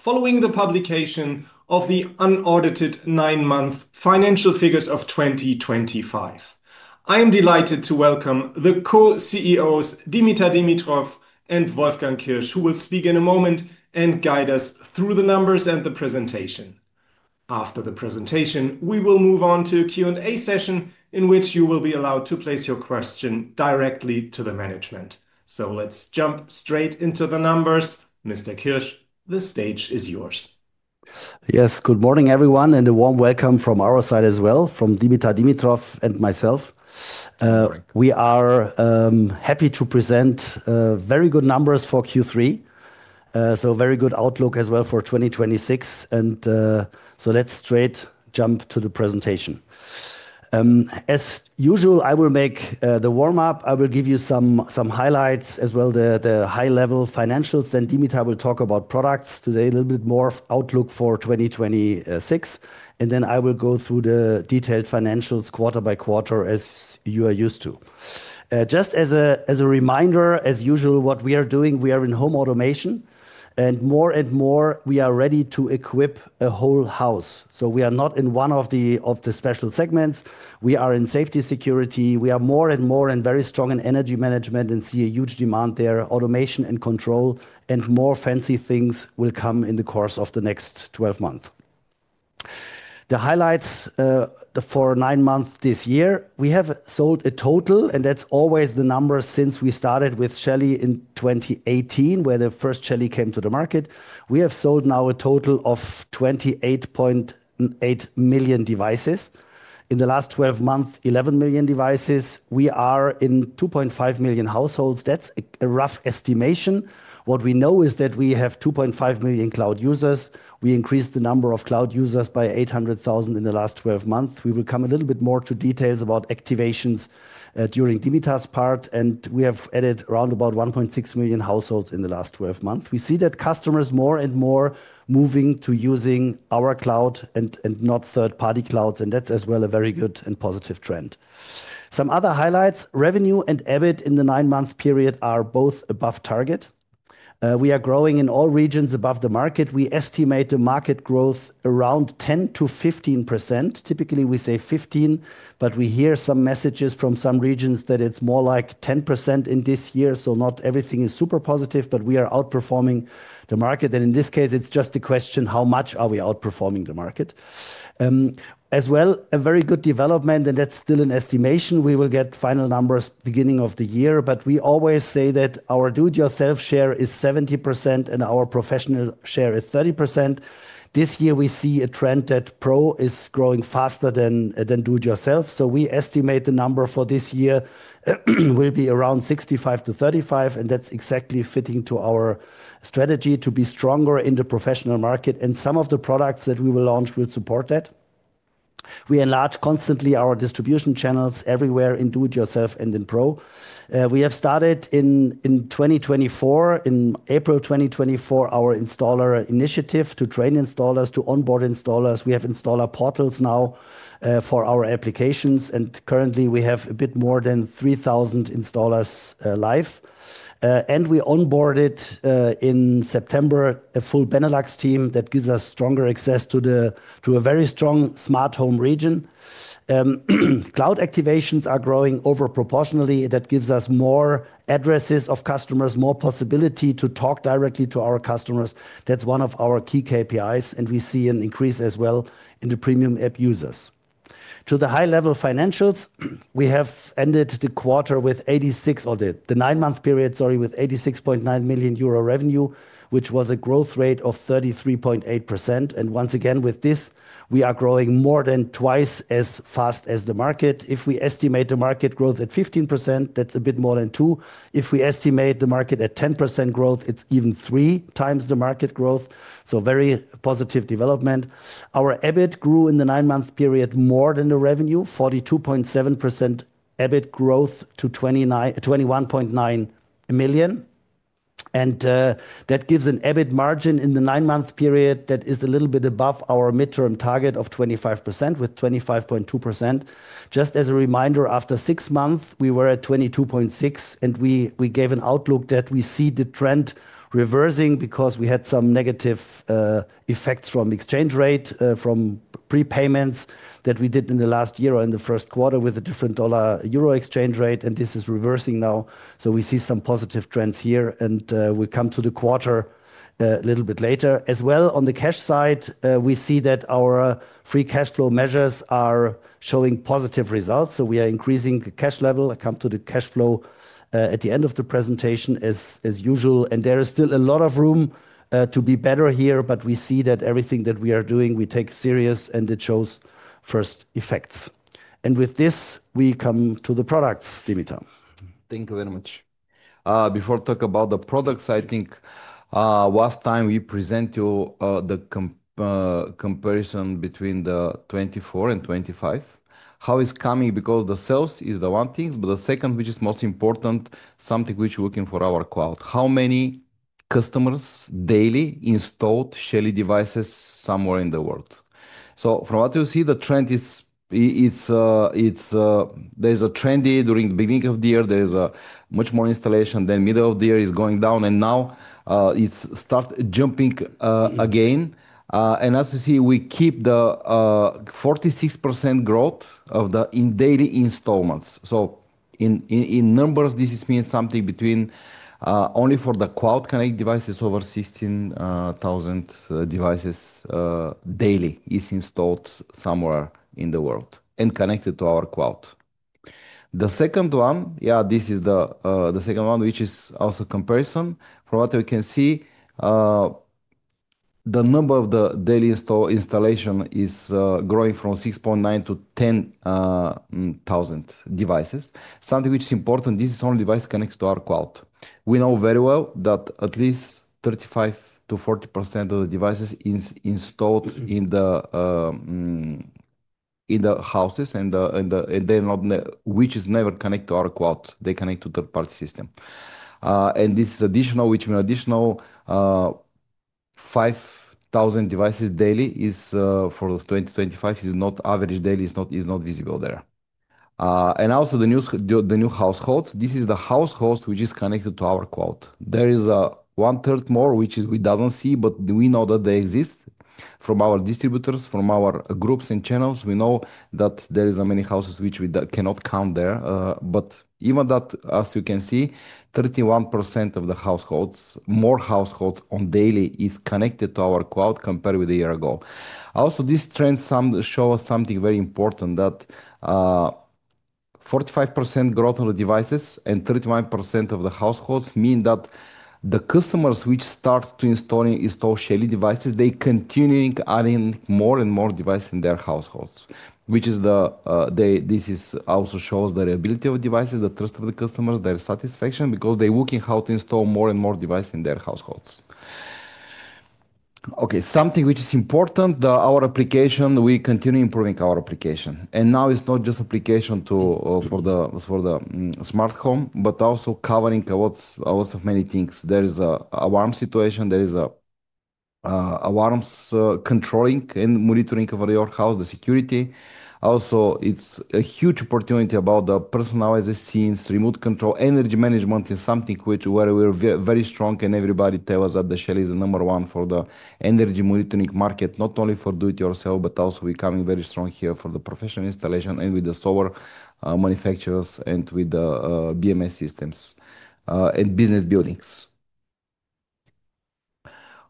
Following the publication of the unaudited nine-month financial figures of 2025, I am delighted to welcome the Co-CEOs Dimitar Dimitrov and Wolfgang Kirsch, who will speak in a moment and guide us through the numbers and the presentation. After the presentation, we will move on to a Q&A session in which you will be allowed to place your question directly to the management. Let's jump straight into the numbers. Mr. Kirsch, the stage is yours. Yes, good morning everyone and a warm welcome from our side as well, from Dimitar Dimitrov and myself. We are happy to present very good numbers for Q3, so very good outlook as well for 2026. Let's straight jump to the presentation. As usual, I will make the warm-up. I will give you some highlights as well, the high-level financials. Then Dimitar will talk about products today a little bit more, outlook for 2026, and then I will go through the detailed financials quarter by quarter as you are used to. Just as a reminder, as usual, what we are doing, we are in home automation and more and more we are ready to equip a whole house. We are not in one of the special segments. We are in safety security. We are more and more and very strong in energy management and see a huge demand there. Automation and control and more fancy things will come in the course of the next 12 months. The highlights for nine months this year, we have sold a total, and that's always the number since we started with Shelly in 2018, where the first Shelly came to the market. We have sold now a total of 28.8 million devices. In the last 12 months, 11 million devices. We are in 2.5 million households. That's a rough estimation. What we know is that we have 2.5 million cloud users. We increased the number of cloud users by 800,000 in the last 12 months. We will come a little bit more to details about activations during Dimitar's part, and we have added around about 1.6 million households in the last 12 months. We see that customers more and more moving to using our cloud and not third-party clouds, and that's as well a very good and positive trend. Some other highlights, revenue and EBIT in the nine-month period are both above target. We are growing in all regions above the market. We estimate the market growth around 10%-15%. Typically, we say 15%, but we hear some messages from some regions that it's more like 10% in this year. Not everything is super positive, but we are outperforming the market. In this case, it's just a question how much are we outperforming the market. As well, a very good development, and that's still an estimation. We will get final numbers beginning of the year, but we always say that our do-it-yourself share is 70% and our professional share is 30%. This year we see a trend that Pro is growing faster than do-it-yourself. We estimate the number for this year will be around 65%-35%, and that is exactly fitting to our strategy to be stronger in the professional market. Some of the products that we will launch will support that. We enlarge constantly our distribution channels everywhere in do-it-yourself and in Pro. We have started in 2024, in April 2024, our installer initiative to train installers, to onboard installers. We have installer portals now for our applications, and currently we have a bit more than 3,000 installers live. We onboarded in September a full Benelux team that gives us stronger access to a very strong smart home region. Cloud activations are growing overproportionally. That gives us more addresses of customers, more possibility to talk directly to our customers. That's one of our key KPIs, and we see an increase as well in the Premium app users. To the high-level financials, we have ended the quarter with 86.9 million, or the nine-month period, sorry, with 86.9 million euro revenue, which was a growth rate of 33.8%. Once again, with this, we are growing more than twice as fast as the market. If we estimate the market growth at 15%, that's a bit more than two. If we estimate the market at 10% growth, it's even 3x the market growth. Very positive development. Our EBIT grew in the nine-month period more than the revenue, 42.7% EBIT growth to 21.9 million. That gives an EBIT margin in the nine-month period that is a little bit above our midterm target of 25% with 25.2%. Just as a reminder, after six months, we were at 22.6%, and we gave an outlook that we see the trend reversing because we had some negative effects from exchange rate, from prepayments that we did in the last year or in the first quarter with a different dollar-euro exchange rate. This is reversing now. We see some positive trends here, and we come to the quarter a little bit later. As well, on the cash side, we see that our free cash flow measures are showing positive results. We are increasing cash level. I come to the cash flow at the end of the presentation as usual, and there is still a lot of room to be better here, but we see that everything that we are doing, we take serious and it shows first effects. With this, we come to the products, Dimitar. Thank you very much. Before we talk about the products, I think last time we presented you the comparison between the 2024 and 2025, how it's coming, because the sales is the one thing, but the second, which is most important, something which we're looking for our cloud. How many customers daily installed Shelly devices somewhere in the world? From what you see, the trend is there's a trend during the beginning of the year, there is much more installation, then middle of the year is going down, and now it's started jumping again. As you see, we keep the 46% growth of the daily installments. In numbers, this means something between only for the cloud connect devices, over 16,000 devices daily is installed somewhere in the world and connected to our cloud. The second one, yeah, this is the second one, which is also a comparison. From what we can see, the number of the daily installation is growing from 6,900 devices to 10,000 devices, something which is important. This is only devices connected to our cloud. We know very well that at least 35%-40% of the devices installed in the houses and they are not, which is never connected to our cloud. They connect to third-party systems. This is additional, which means additional 5,000 devices daily is for 2025 is not average daily is not visible there. Also the new households, this is the households which is connected to our cloud. There is 1/3 more which we do not see, but we know that they exist from our distributors, from our groups and channels. We know that there are many houses which we cannot count there. Even that, as you can see, 31% of the households, more households on daily is connected to our cloud compared with a year ago. Also, this trend shows us something very important that 45% growth of the devices and 31% of the households mean that the customers which start to install Shelly devices, they continue adding more and more devices in their households, which is the this also shows the ability of devices, the trust of the customers, their satisfaction because they're looking how to install more and more devices in their households. Okay, something which is important, our application, we continue improving our application. Now it's not just application for the smart home, but also covering lots of many things. There is an alarm situation. There is alarms controlling and monitoring over your house, the security. Also, it's a huge opportunity about the personalized scenes, remote control, energy management is something where we are very strong and everybody tells us that Shelly is the number one for the energy monitoring market, not only for do-it-yourself, but also becoming very strong here for the professional installation and with the solar manufacturers and with the BMS systems and business buildings.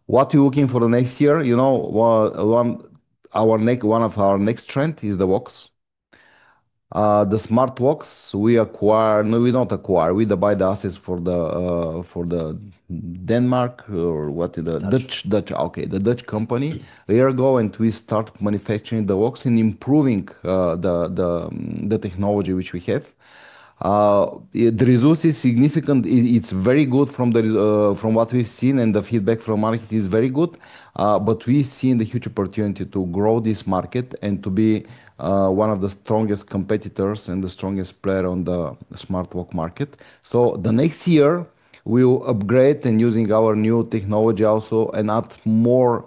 What are we looking for next year? You know, one of our next trends is the locks, the smart locks. We acquire, no, we don't acquire. We buy the assets for the Denmark or what is the Dutch, okay, the Dutch company a year ago and we start manufacturing the locks and improving the technology which we have. The result is significant. It's very good from what we've seen and the feedback from the market is very good. We see the huge opportunity to grow this market and to be one of the strongest competitors and the strongest player on the smart lock market. The next year we will upgrade and use our new technology also and add more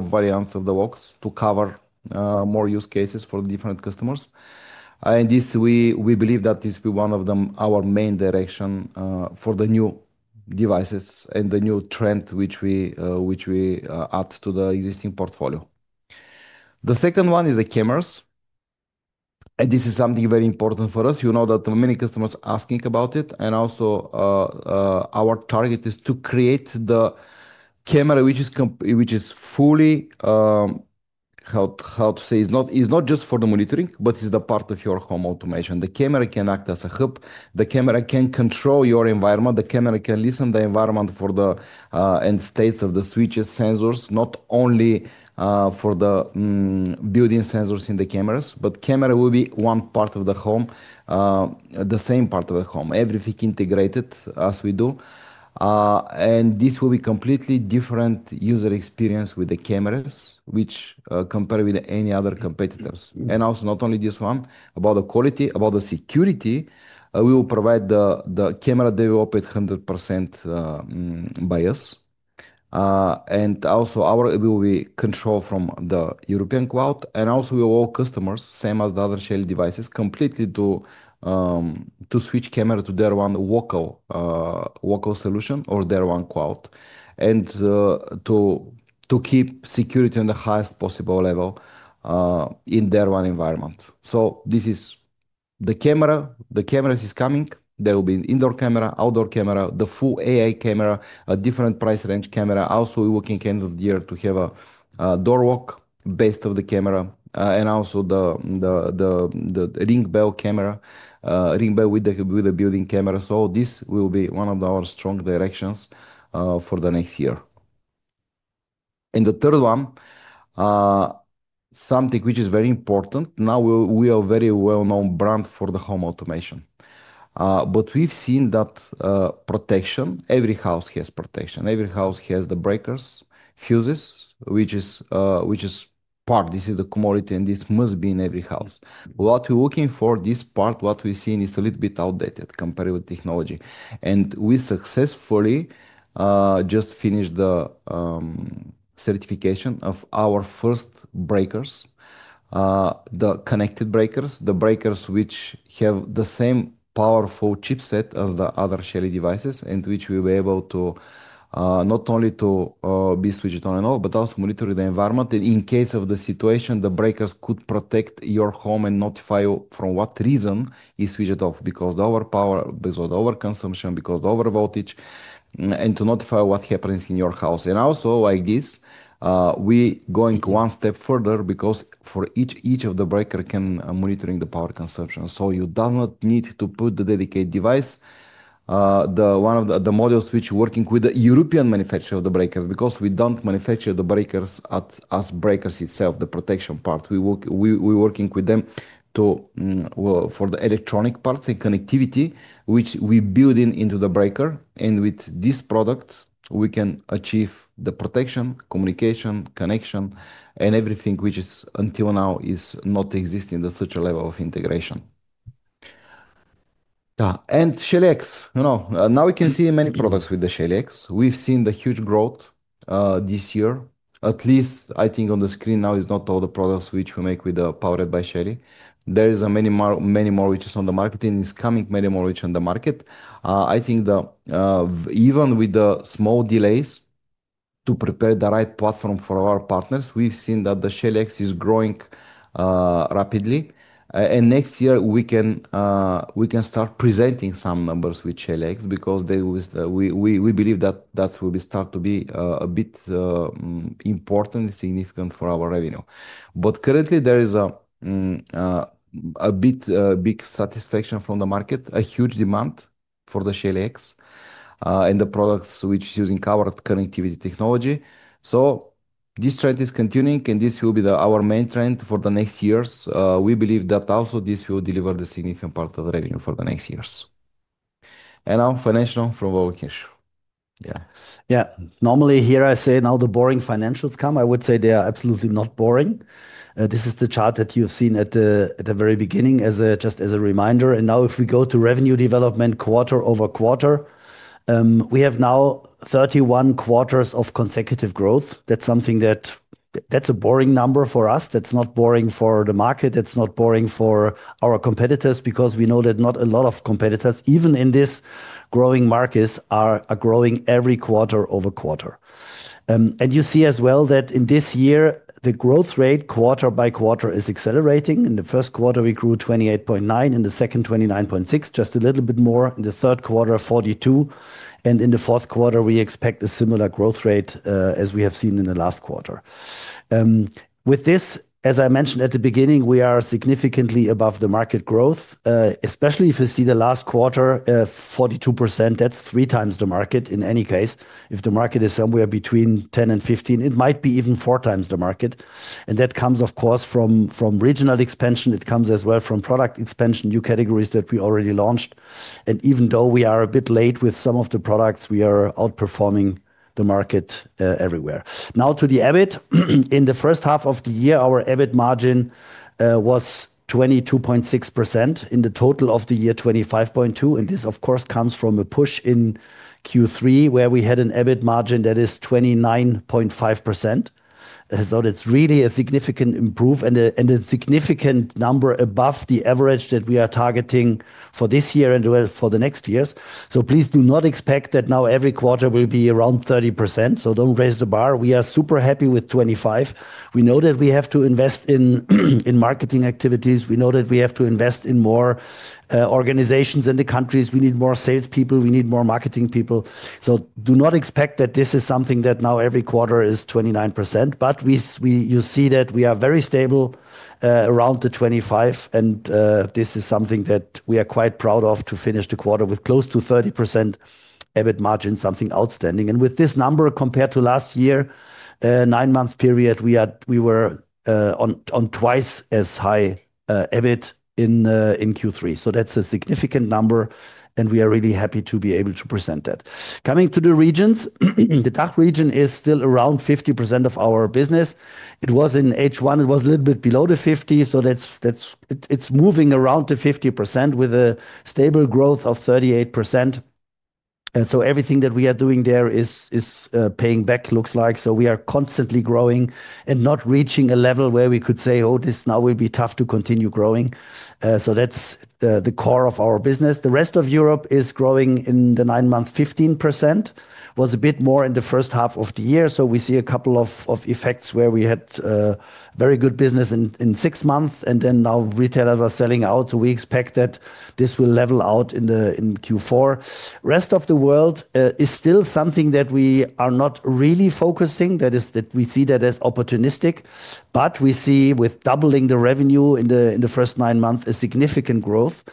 variants of the locks to cover more use cases for different customers. We believe that this will be one of our main directions for the new devices and the new trend which we add to the existing portfolio. The second one is the cameras. This is something very important for us. You know that many customers are asking about it. Also, our target is to create the camera which is fully, how to say, it is not just for the monitoring, but it is part of your home automation. The camera can act as a hub. The camera can control your environment. The camera can listen to the environment for the end states of the switches, sensors, not only for the building sensors in the cameras, but the camera will be one part of the home, the same part of the home, everything integrated as we do. This will be a completely different user experience with the cameras, which compared with any other competitors. Also, not only this one, about the quality, about the security, we will provide the camera developed 100% by us. Our camera will be controlled from the European cloud. We will allow all customers, same as the other Shelly devices, completely to switch cameras to their own local solution or their own cloud and to keep security on the highest possible level in their own environment. This is the camera. The cameras are coming. There will be an indoor camera, outdoor camera, the full AI camera, a different price range camera. Also, we're looking at the end of the year to have a door lock based on the camera and also the ring bell camera, ring bell with the built-in camera. This will be one of our strong directions for next year. The third one, something which is very important. Now we are a very well-known brand for home automation, but we've seen that protection. Every house has protection. Every house has the breakers, fuses, which is part. This is the commodity and this must be in every house. What we're looking for, this part, what we're seeing is a little bit outdated compared with technology. We successfully just finished the certification of our first breakers, the connected breakers, the breakers which have the same powerful chipset as the other Shelly devices and which we were able to not only be switched on and off, but also monitor the environment. In case of the situation, the breakers could protect your home and notify you for what reason it is switched off, because of the overpower, because of the overconsumption, because of the overvoltage, and to notify what happens in your house. Also, like this, we're going one step further because each of the breakers can monitor the power consumption. You do not need to put the dedicated device, one of the models which we're working with the European manufacturer of the breakers because we don't manufacture the breakers as breakers itself, the protection part. We're working with them for the electronic parts and connectivity, which we build into the breaker. With this product, we can achieve the protection, communication, connection, and everything which until now is not existing at such a level of integration. Shelly X, now we can see many products with the Shelly X. We've seen the huge growth this year. At least I think on the screen now is not all the products which we make with the powered by Shelly. There are many, many more which are on the market and it's coming many more which are on the market. I think even with the small delays to prepare the right platform for our partners, we've seen that the Shelly X is growing rapidly. Next year, we can start presenting some numbers with Shelly X because we believe that that will start to be a bit important and significant for our revenue. Currently, there is a big satisfaction from the market, a huge demand for the Shelly X and the products which are using covered connectivity technology. This trend is continuing and this will be our main trend for the next years. We believe that also this will deliver the significant part of the revenue for the next years. Now financial from Working Issue. Yeah. Yeah. Normally here I say now the boring financials come. I would say they are absolutely not boring. This is the chart that you have seen at the very beginning just as a reminder. Now if we go to revenue development quarter-over-quarter, we have now 31 quarters of consecutive growth. That is something that is a boring number for us. That is not boring for the market. That is not boring for our competitors because we know that not a lot of competitors, even in this growing market, are growing every quarter-over-quarter. You see as well that in this year, the growth rate quarter-by-quarter is accelerating. In the first quarter, we grew 28.9. In the second, 29.6, just a little bit more. In the third quarter, 42. In the fourth quarter, we expect a similar growth rate as we have seen in the last quarter. With this, as I mentioned at the beginning, we are significantly above the market growth, especially if you see the last quarter, 42%, that's 3x the market in any case. If the market is somewhere between 10% and 15%, it might be even 4x the market. That comes, of course, from regional expansion. It comes as well from product expansion, new categories that we already launched. Even though we are a bit late with some of the products, we are outperforming the market everywhere. Now to the EBIT. In the first half of the year, our EBIT margin was 22.6%. In the total of the year, 25.2%. This, of course, comes from a push in Q3 where we had an EBIT margin that is 29.5%. It is really a significant improvement and a significant number above the average that we are targeting for this year and for the next years. Please do not expect that now every quarter will be around 30%. Do not raise the bar. We are super happy with 25%. We know that we have to invest in marketing activities. We know that we have to invest in more organizations in the countries. We need more salespeople. We need more marketing people. Do not expect that this is something that now every quarter is 29%, but you see that we are very stable around the 25%. This is something that we are quite proud of to finish the quarter with close to 30% EBIT margin, something outstanding. With this number compared to last year, nine-month period, we were on twice as high EBIT in Q3. That's a significant number and we are really happy to be able to present that. Coming to the regions, the DACH region is still around 50% of our business. It was in H1, it was a little bit below the 50%. It is moving around the 50% with a stable growth of 38%. Everything that we are doing there is paying back, looks like. We are constantly growing and not reaching a level where we could say, "Oh, this now will be tough to continue growing." That is the core of our business. The rest of Europe is growing in the nine-month, 15%. It was a bit more in the first half of the year. We see a couple of effects where we had very good business in six months and then now retailers are selling out. We expect that this will level out in Q4. The rest of the world is still something that we are not really focusing on. That is, we see that as opportunistic, but we see with doubling the revenue in the first nine months a significant growth.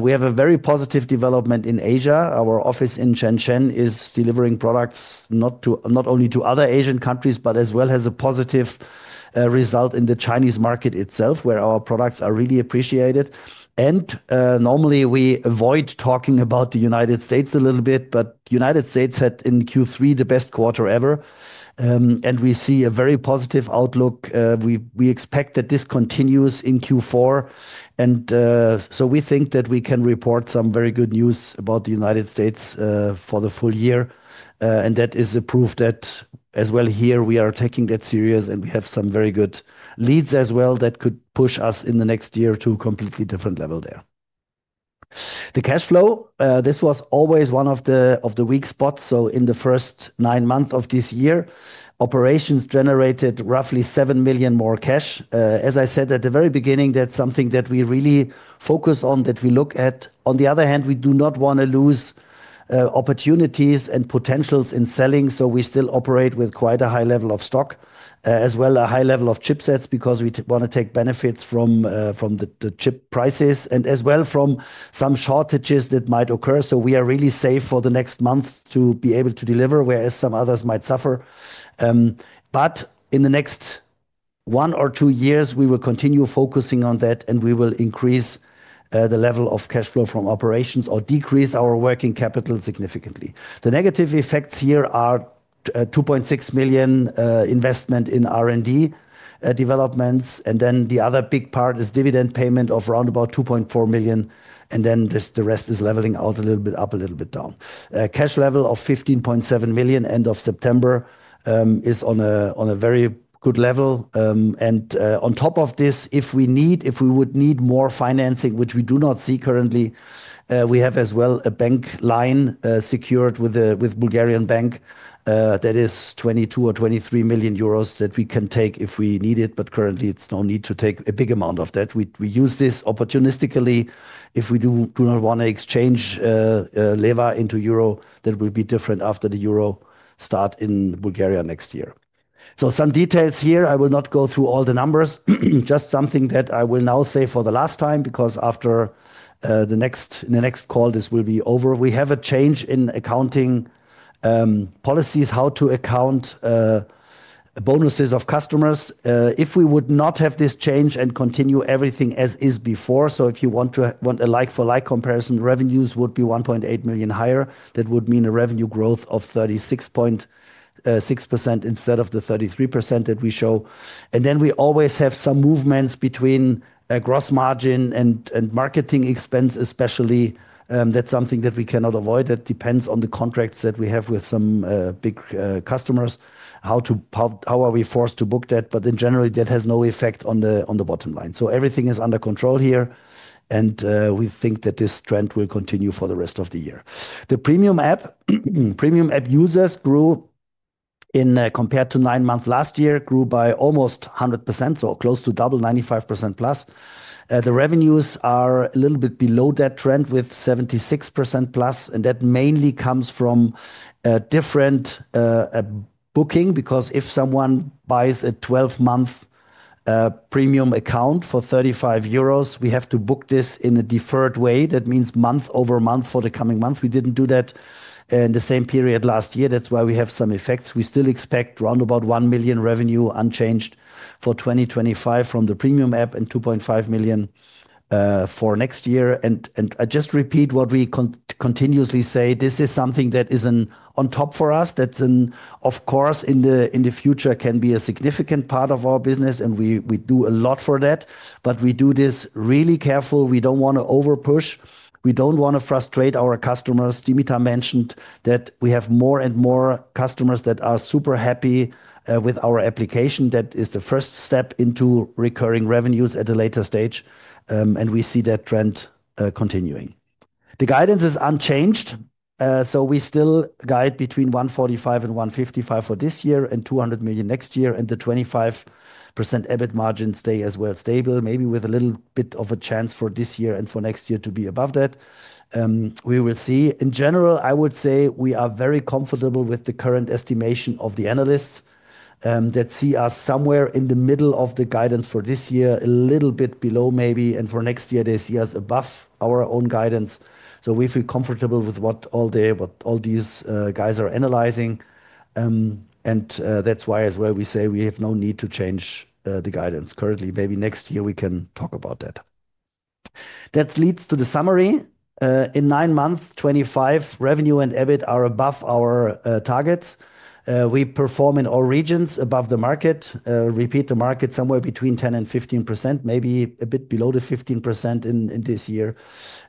We have a very positive development in Asia. Our office in Shenzhen is delivering products not only to other Asian countries, but as well has a positive result in the Chinese market itself where our products are really appreciated. Normally we avoid talking about the United States a little bit, but the United States had in Q3 the best quarter ever. We see a very positive outlook. We expect that this continues in Q4. We think that we can report some very good news about the United States for the full year. That is a proof that as well here we are taking that seriously and we have some very good leads as well that could push us in the next year to a completely different level there. The cash flow, this was always one of the weak spots. In the first nine months of this year, operations generated roughly 7 million more cash. As I said at the very beginning, that is something that we really focus on, that we look at. On the other hand, we do not want to lose opportunities and potentials in selling. We still operate with quite a high level of stock, as well a high level of chipsets because we want to take benefits from the chip prices and as well from some shortages that might occur. We are really safe for the next month to be able to deliver, whereas some others might suffer. In the next one or two years, we will continue focusing on that and we will increase the level of cash flow from operations or decrease our working capital significantly. The negative effects here are 2.6 million investment in R&D developments. The other big part is dividend payment of around 2.4 million. The rest is leveling out a little bit up, a little bit down. Cash level of 15.7 million end of September is on a very good level. On top of this, if we need, if we would need more financing, which we do not see currently, we have as well a bank line secured with Bulgarian Bank. That is 22 million or 23 million euros that we can take if we need it, but currently it's no need to take a big amount of that. We use this opportunistically. If we do not want to exchange lever into euro, that will be different after the euro start in Bulgaria next year. Some details here. I will not go through all the numbers, just something that I will now say for the last time because in the next call, this will be over. We have a change in accounting policies, how to account bonuses of customers. If we would not have this change and continue everything as is before, so if you want a like-for-like comparison, revenues would be 1.8 million higher. That would mean a revenue growth of 36.6% instead of the 33% that we show. We always have some movements between gross margin and marketing expense, especially. That is something that we cannot avoid. That depends on the contracts that we have with some big customers, how we are forced to book that. In general, that has no effect on the bottom line. Everything is under control here. We think that this trend will continue for the rest of the year. The Premium app users grew compared to nine months last year, grew by almost 100%, so close to double, 95%+. The revenues are a little bit below that trend with 76%+. That mainly comes from different booking because if someone buys a 12-month premium account for 35 euros, we have to book this in a deferred way. That means month over month for the coming month. We did not do that in the same period last year. That's why we have some effects. We still expect around 1 million revenue unchanged for 2025 from the Premium app and 2.5 million for next year. I just repeat what we continuously say. This is something that is on top for us. That is, of course, in the future can be a significant part of our business. We do a lot for that, but we do this really carefully. We do not want to overpush. We do not want to frustrate our customers. Dimitar mentioned that we have more and more customers that are super happy with our application. That is the first step into recurring revenues at a later stage. We see that trend continuing. The guidance is unchanged. We still guide between 145 million and 155 million for this year and 200 million next year. The 25% EBIT margin stays as well stable, maybe with a little bit of a chance for this year and for next year to be above that. We will see. In general, I would say we are very comfortable with the current estimation of the analysts that see us somewhere in the middle of the guidance for this year, a little bit below maybe. For next year, they see us above our own guidance. We feel comfortable with what all these guys are analyzing. That is why as well we say we have no need to change the guidance. Currently, maybe next year we can talk about that. That leads to the summary. In nine months, 2025 revenue and EBIT are above our targets. We perform in all regions above the market. Repeat the market somewhere between 10% and 15%, maybe a bit below the 15% in this year.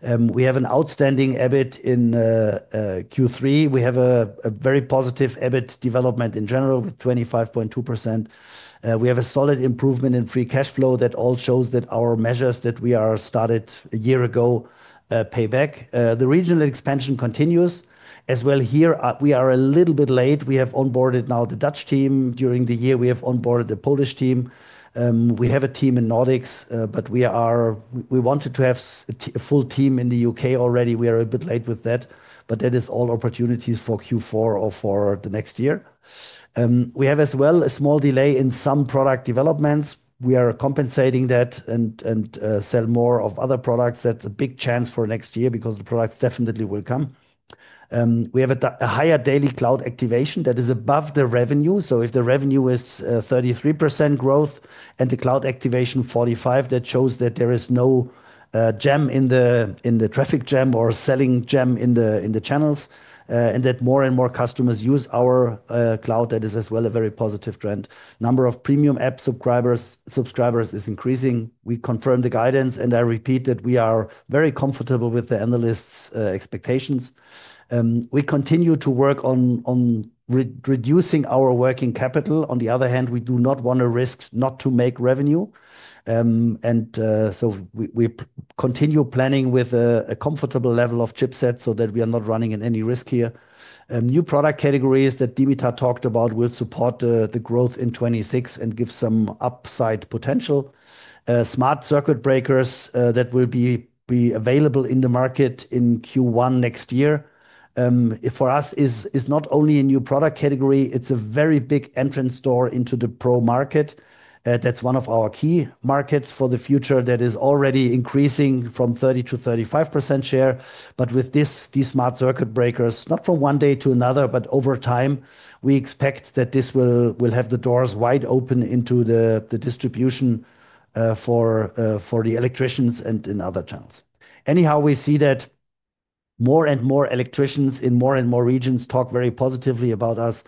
We have an outstanding EBIT in Q3. We have a very positive EBIT development in general with 25.2%. We have a solid improvement in free cash flow. That all shows that our measures that we started a year ago pay back. The regional expansion continues. As well here, we are a little bit late. We have onboarded now the Dutch team during the year. We have onboarded the Polish team. We have a team in Nordics, but we wanted to have a full team in the U.K. already. We are a bit late with that, but that is all opportunities for Q4 or for the next year. We have as well a small delay in some product developments. We are compensating that and sell more of other products. That's a big chance for next year because the products definitely will come. We have a higher daily cloud activation that is above the revenue. If the revenue is 33% growth and the cloud activation 45%, that shows that there is no jam in the traffic jam or selling jam in the channels. More and more customers use our cloud. That is as well a very positive trend. Number of Premium app subscribers is increasing. We confirm the guidance. I repeat that we are very comfortable with the analysts' expectations. We continue to work on reducing our working capital. On the other hand, we do not want to risk not to make revenue. We continue planning with a comfortable level of chipsets so that we are not running in any risk here. New product categories that Dimitar talked about will support the growth in 2026 and give some upside potential. Smart circuit breakers that will be available in the market in Q1 next year for us is not only a new product category. It's a very big entrance door into the Pro market. That's one of our key markets for the future that is already increasing from 30% to 35% share. With these smart circuit breakers, not from one day to another, but over time, we expect that this will have the doors wide open into the distribution for the electricians and in other channels. Anyhow, we see that more and more electricians in more and more regions talk very positively about us.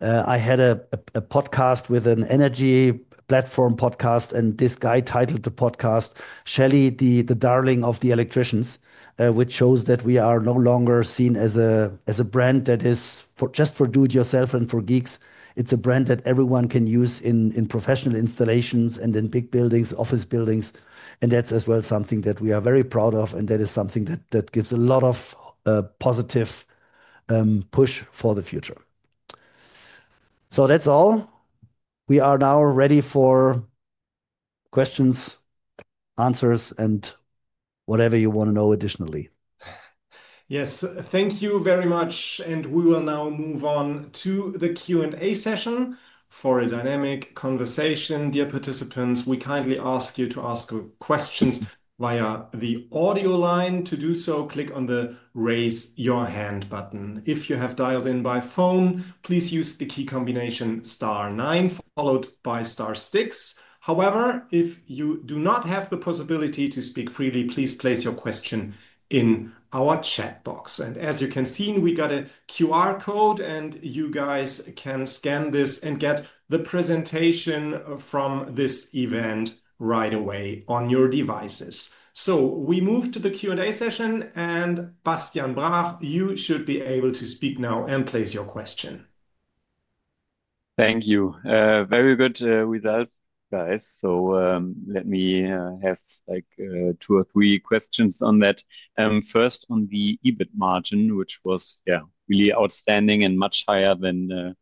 I had a podcast with an energy platform podcast, and this guy titled the podcast, "Shelly, the Darling of the Electricians," which shows that we are no longer seen as a brand that is just for do-it-yourself and for geeks. It is a brand that everyone can use in professional installations and in big buildings, office buildings. That is as well something that we are very proud of. That is something that gives a lot of positive push for the future. That is all. We are now ready for questions, answers, and whatever you want to know additionally. Yes, thank you very much. We will now move on to the Q&A session for a dynamic conversation. Dear participants, we kindly ask you to ask questions via the audio line. To do so, click on the raise your hand button. If you have dialed in by phone, please use the key combination star nine followed by star six. However, if you do not have the possibility to speak freely, please place your question in our chat box. As you can see, we got a QR code, and you guys can scan this and get the presentation from this event right away on your devices. We move to the Q&A session. Bastien Bracht, you should be able to speak now and place your question. Thank you. Very good with us, guys. Let me have two or three questions on that. First, on the EBIT margin, which was really outstanding and much higher than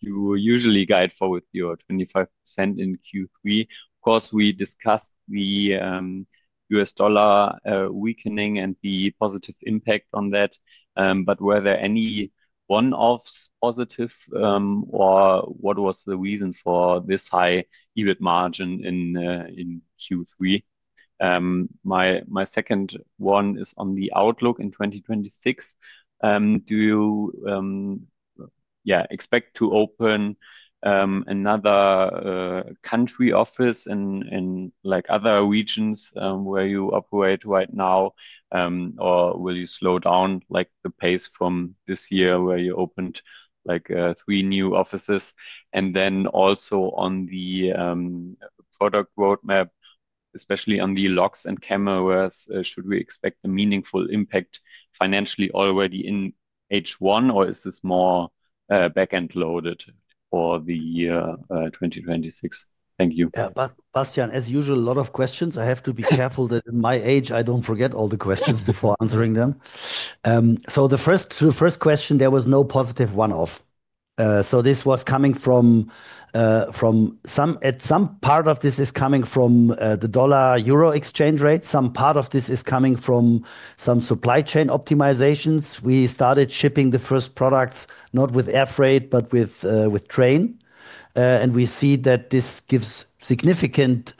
you usually guide for with your 25% in Q3. Of course, we discussed the US dollar weakening and the positive impact on that. Were there any one-offs positive, or what was the reason for this high EBIT margin in Q3? My second one is on the outlook in 2026. Do you expect to open another country office in other regions where you operate right now, or will you slow down the pace from this year where you opened three new offices? Also on the product roadmap, especially on the locks and cameras, should we expect a meaningful impact financially already in H1, or is this more back-end loaded for the year 2026? Thank you. Yeah, Bastien, as usual, a lot of questions. I have to be careful that in my age, I do not forget all the questions before answering them. The first question, there was no positive one-off. This was coming from, some part of this is coming from the dollar-euro exchange rate. Some part of this is coming from some supply chain optimizations. We started shipping the first products not with air freight, but with train. We see that this gives significant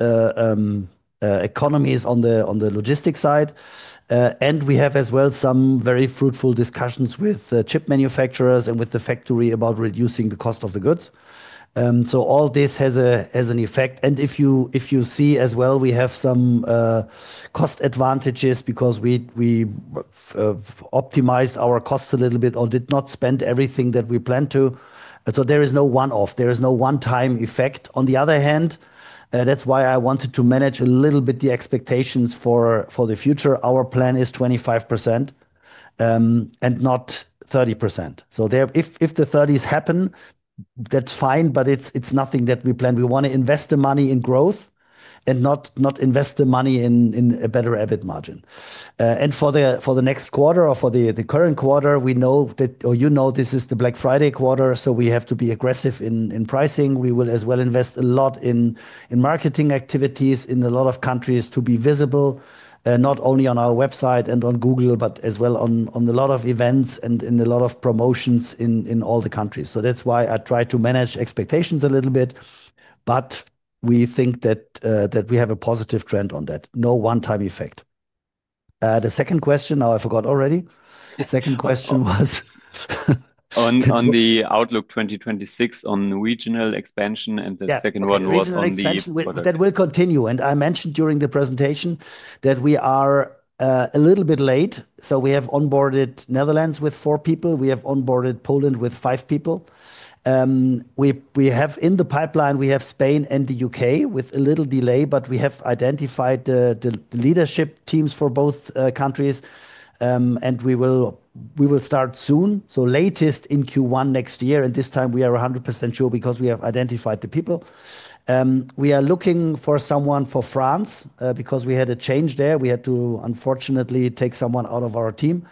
economies on the logistics side. We have as well some very fruitful discussions with chip manufacturers and with the factory about reducing the cost of the goods. All this has an effect. If you see as well, we have some cost advantages because we optimized our costs a little bit or did not spend everything that we planned to. There is no one-off. There is no one-time effect. On the other hand, that's why I wanted to manage a little bit the expectations for the future. Our plan is 25% and not 30%. If the 30s% happen, that's fine, but it's nothing that we plan. We want to invest the money in growth and not invest the money in a better EBIT margin. For the next quarter or for the current quarter, we know that, you know, this is the Black Friday quarter, so we have to be aggressive in pricing. We will as well invest a lot in marketing activities in a lot of countries to be visible, not only on our website and on Google, but as well on a lot of events and in a lot of promotions in all the countries. That is why I try to manage expectations a little bit. We think that we have a positive trend on that. No one-time effect. The second question, now I forgot already. Second question was? On the outlook 2026 on regional expansion and the second one was on the? That will continue. I mentioned during the presentation that we are a little bit late. We have onboarded Netherlands with four people. We have onboarded Poland with five people. In the pipeline, we have Spain and the U.K. with a little delay, but we have identified the leadership teams for both countries. We will start soon, latest in Q1 next year. This time we are 100% sure because we have identified the people. We are looking for someone for France because we had a change there. We had to unfortunately take someone out of our team.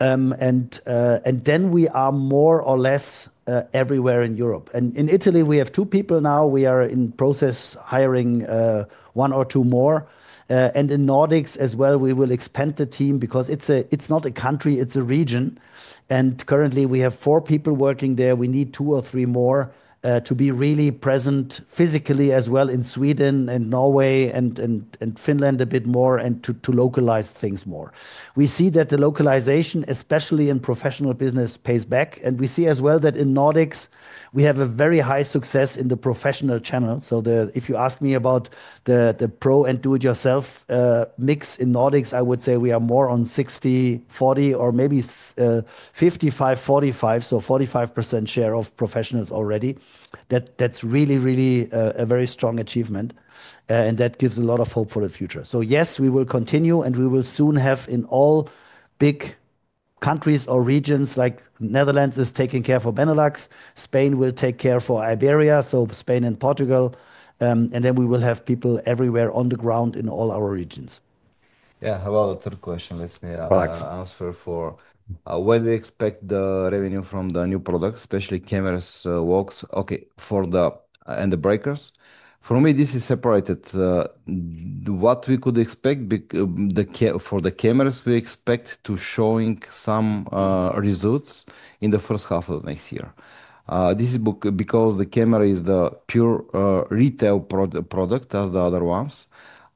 We are more or less everywhere in Europe. In Italy, we have two people now. We are in process hiring one or two more. In Nordics as well, we will expand the team because it is not a country, it is a region. Currently we have four people working there. We need two or three more to be really present physically as well in Sweden and Norway and Finland a bit more and to localize things more. We see that the localization, especially in professional business, pays back. We see as well that in Nordics, we have a very high success in the professional channel. If you ask me about the Pro and do-it-yourself mix in Nordics, I would say we are more on 60/40, or maybe 55/45, so 45% share of professionals already. That is really, really a very strong achievement. That gives a lot of hope for the future. Yes, we will continue and we will soon have in all big countries or regions like Netherlands is taking care for Benelux. Spain will take care for Iberia, so Spain and Portugal. We will have people everywhere on the ground in all our regions. Yeah, how about a third question? Let's answer for when we expect the revenue from the new products, especially cameras, locks, okay, and the breakers. For me, this is separated. What we could expect for the cameras, we expect to showing some results in the first half of next year. This is because the camera is the pure retail product as the other ones.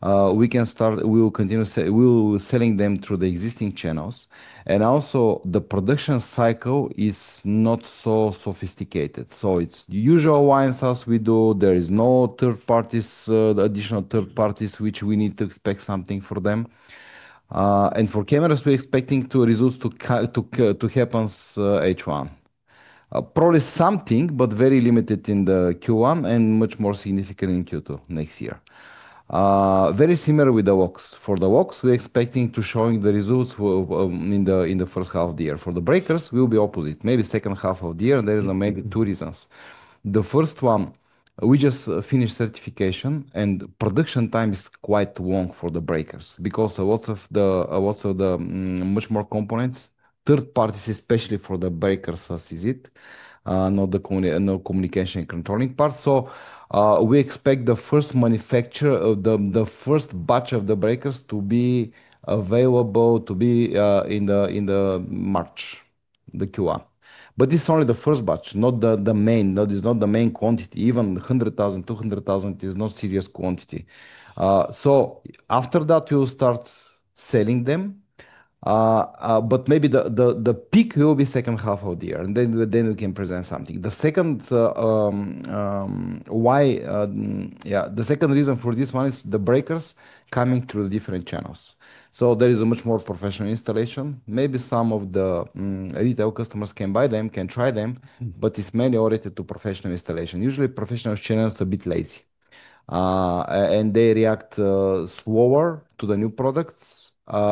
We can start, we will continue selling them through the existing channels. Also, the production cycle is not so sophisticated. It is the usual one as we do. There is no third parties, additional third parties, which we need to expect something for them. For cameras, we're expecting the results to happen H1. Probably something, but very limited in Q1 and much more significant in Q2 next year. Very similar with the locks. For the locks, we're expecting to show the results in the first half of the year. For the breakers, it'll be opposite. Maybe second half of the year. There are maybe two reasons. The first one, we just finished certification and production time is quite long for the breakers because lots of the much more components, third parties, especially for the breakers, as is it, no communication controlling part. We expect the first manufacture, the first batch of the breakers to be available, to be in the March, the Q1. This is only the first batch, not the main, not the main quantity. Even 100,000-200,000 is not serious quantity. After that, we'll start selling them. Maybe the peak will be second half of the year. Then we can present something. The second, yeah, the second reason for this one is the breakers coming through the different channels. There is a much more professional installation. Maybe some of the retail customers can buy them, can try them, but it's mainly oriented to professional installation. Usually, professional channels are a bit lazy. They react slower to the new products.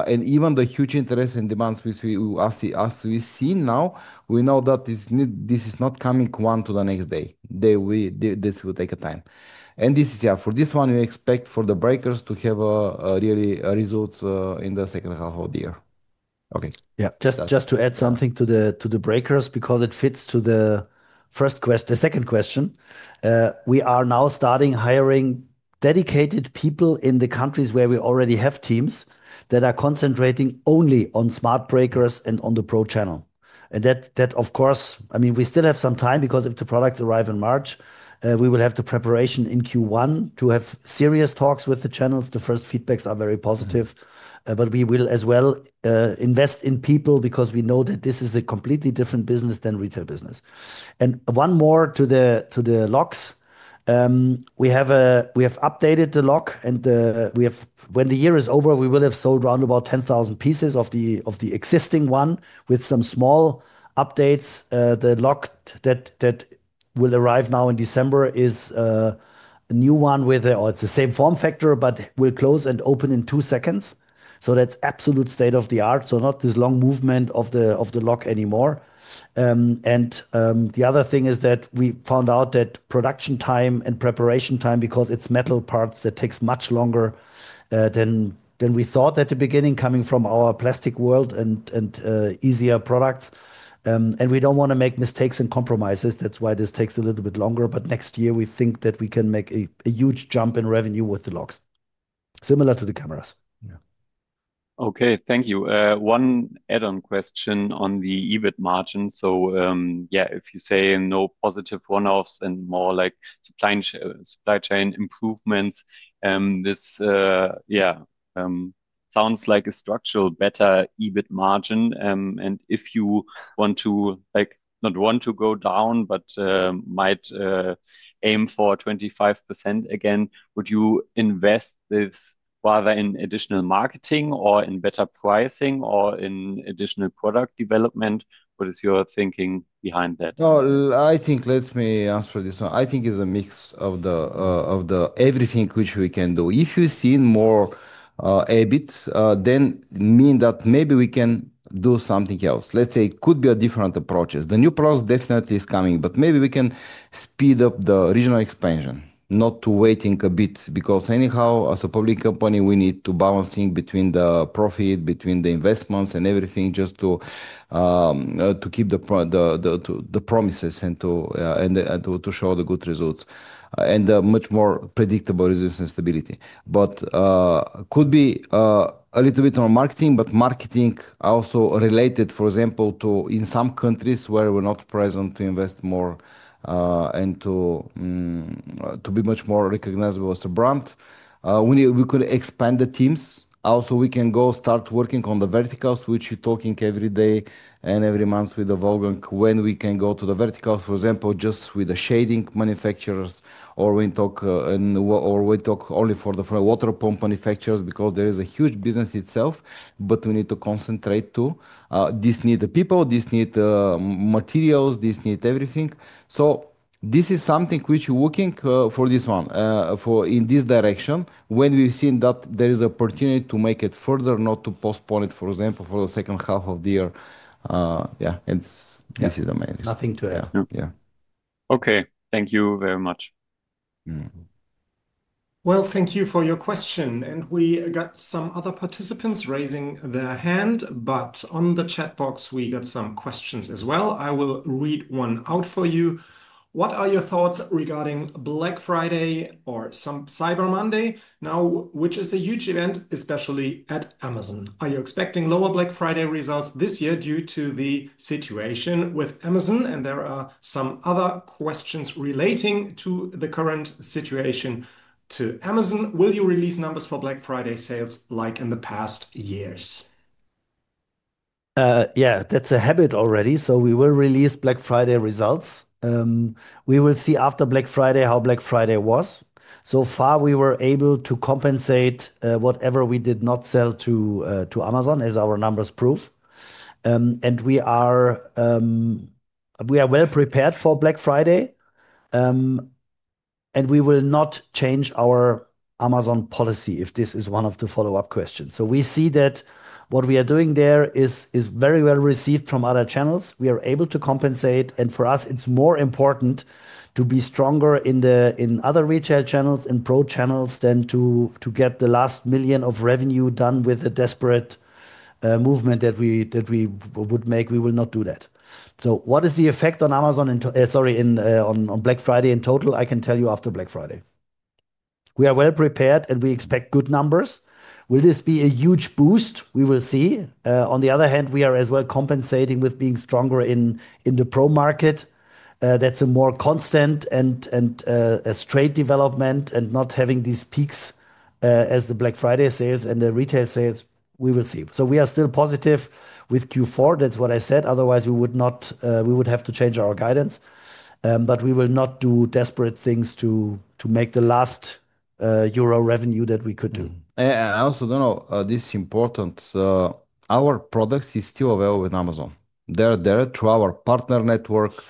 Even with the huge interest and demands as we see now, we know that this is not coming one to the next day. This will take time. For this one, we expect for the breakers to have really results in the second half of the year. Okay. Yeah, just to add something to the breakers because it fits to the first question, the second question. We are now starting hiring dedicated people in the countries where we already have teams that are concentrating only on smart breakers and on the Pro channel. That, of course, I mean, we still have some time because if the products arrive in March, we will have the preparation in Q1 to have serious talks with the channels. The first feedbacks are very positive. We will as well invest in people because we know that this is a completely different business than retail business. One more to the locks. We have updated the lock and when the year is over, we will have sold round about 10,000 pieces of the existing one with some small updates. The lock that will arrive now in December is a new one with, or it's the same form factor, but will close and open in two seconds. That's absolute state of the art. Not this long movement of the lock anymore. The other thing is that we found out that production time and preparation time, because it's metal parts, that takes much longer than we thought at the beginning coming from our plastic world and easier products. We do not want to make mistakes and compromises. That's why this takes a little bit longer. Next year, we think that we can make a huge jump in revenue with the locks. Similar to the cameras. Yeah. Okay, thank you. One add-on question on the EBIT margin. If you say no positive one-offs and more like supply chain improvements, this sounds like a structural better EBIT margin. If you want to, not want to go down, but might aim for 25% again, would you invest this rather in additional marketing or in better pricing or in additional product development? What is your thinking behind that? I think, let me answer this one. I think it's a mix of everything which we can do. If you see more EBIT, then mean that maybe we can do something else. Let's say it could be a different approach. The new product definitely is coming, but maybe we can speed up the regional expansion, not to waiting a bit because anyhow, as a public company, we need to balance between the profit, between the investments and everything just to keep the promises and to show the good results and much more predictable results and stability. It could be a little bit on marketing, but marketing also related, for example, to in some countries where we're not present to invest more and to be much more recognizable as a brand. We could expand the teams. Also, we can go start working on the verticals, which we're talking every day and every month with the Wolfgang when we can go to the verticals, for example, just with the shading manufacturers or we talk only for the water pump manufacturers because there is a huge business itself, but we need to concentrate too. This needs the people, this needs materials, this needs everything. This is something which we're working for this one in this direction when we've seen that there is an opportunity to make it further, not to postpone it, for example, for the second half of the year. Yeah, and this is the main reason. Nothing to add. Yeah. Okay, thank you very much. Thank you for your question. We got some other participants raising their hand, but in the chat box, we got some questions as well. I will read one out for you. What are your thoughts regarding Black Friday or Cyber Monday now, which is a huge event, especially at Amazon? Are you expecting lower Black Friday results this year due to the situation with Amazon? There are some other questions relating to the current situation with Amazon. Will you release numbers for Black Friday sales like in the past years? Yeah, that's a habit already. We will release Black Friday results. We will see after Black Friday how Black Friday was. So far, we were able to compensate whatever we did not sell to Amazon, as our numbers prove. We are well prepared for Black Friday. We will not change our Amazon policy if this is one of the follow-up questions. We see that what we are doing there is very well received from other channels. We are able to compensate. For us, it is more important to be stronger in other retail channels and pro channels than to get the last million of revenue done with a desperate movement that we would make. We will not do that. What is the effect on Amazon, sorry, on Black Friday in total? I can tell you after Black Friday. We are well prepared and we expect good numbers. Will this be a huge boost? We will see. On the other hand, we are as well compensating with being stronger in the Pro market. That's a more constant and a straight development and not having these peaks as the Black Friday sales and the retail sales. We will see. We are still positive with Q4. That's what I said. Otherwise, we would have to change our guidance. We will not do desperate things to make the last euro revenue that we could do. I also don't know, this is important. Our products are still available with Amazon. They are there through our partner network.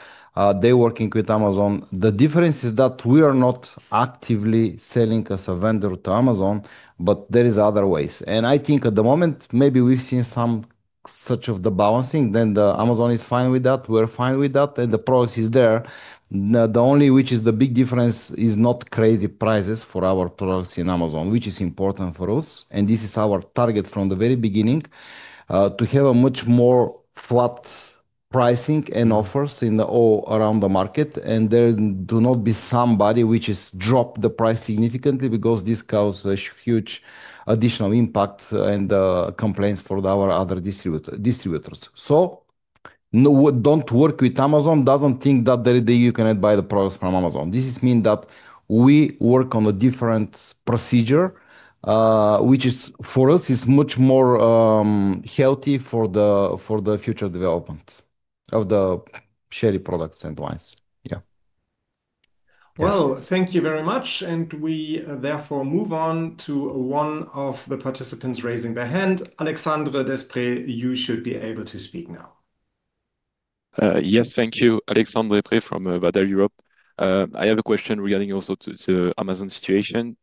They are working with Amazon. The difference is that we are not actively selling as a vendor to Amazon, but there are other ways. I think at the moment, maybe we've seen some such of the balancing, then Amazon is fine with that. We're fine with that. The products are there. The only which is the big difference is not crazy prices for our products in Amazon, which is important for us. This is our target from the very beginning to have a much more flat pricing and offers around the market. There do not be somebody which has dropped the price significantly because this causes a huge additional impact and complaints for our other distributors. Do not work with Amazon, does not think that you can buy the products from Amazon. This means that we work on a different procedure, which for us is much more healthy for the future development of the Shelly products and wines. Thank you very much. We therefore move on to one of the participants raising their hand. Alexandre Despret, you should be able to speak now. Yes, thank you. Alexandre Despret from Badel Europe. I have a question regarding also the Amazon situation.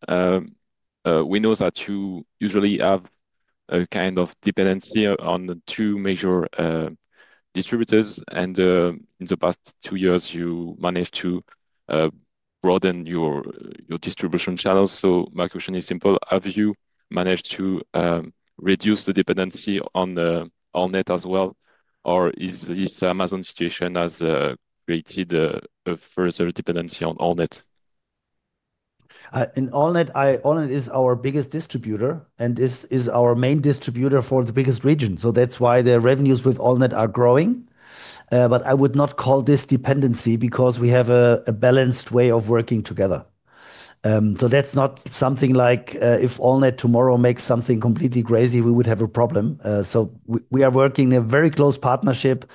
We know that you usually have a kind of dependency on two major distributors. In the past two years, you managed to broaden your distribution channels. My question is simple. Have you managed to reduce the dependency on Allnet as well? Or has this Amazon situation created a further dependency on Allnet? Allnet is our biggest distributor and is our main distributor for the biggest region. That is why the revenues with Allnet are growing. I would not call this dependency because we have a balanced way of working together. That is not something like if Allnet tomorrow makes something completely crazy, we would have a problem. We are working in a very close partnership.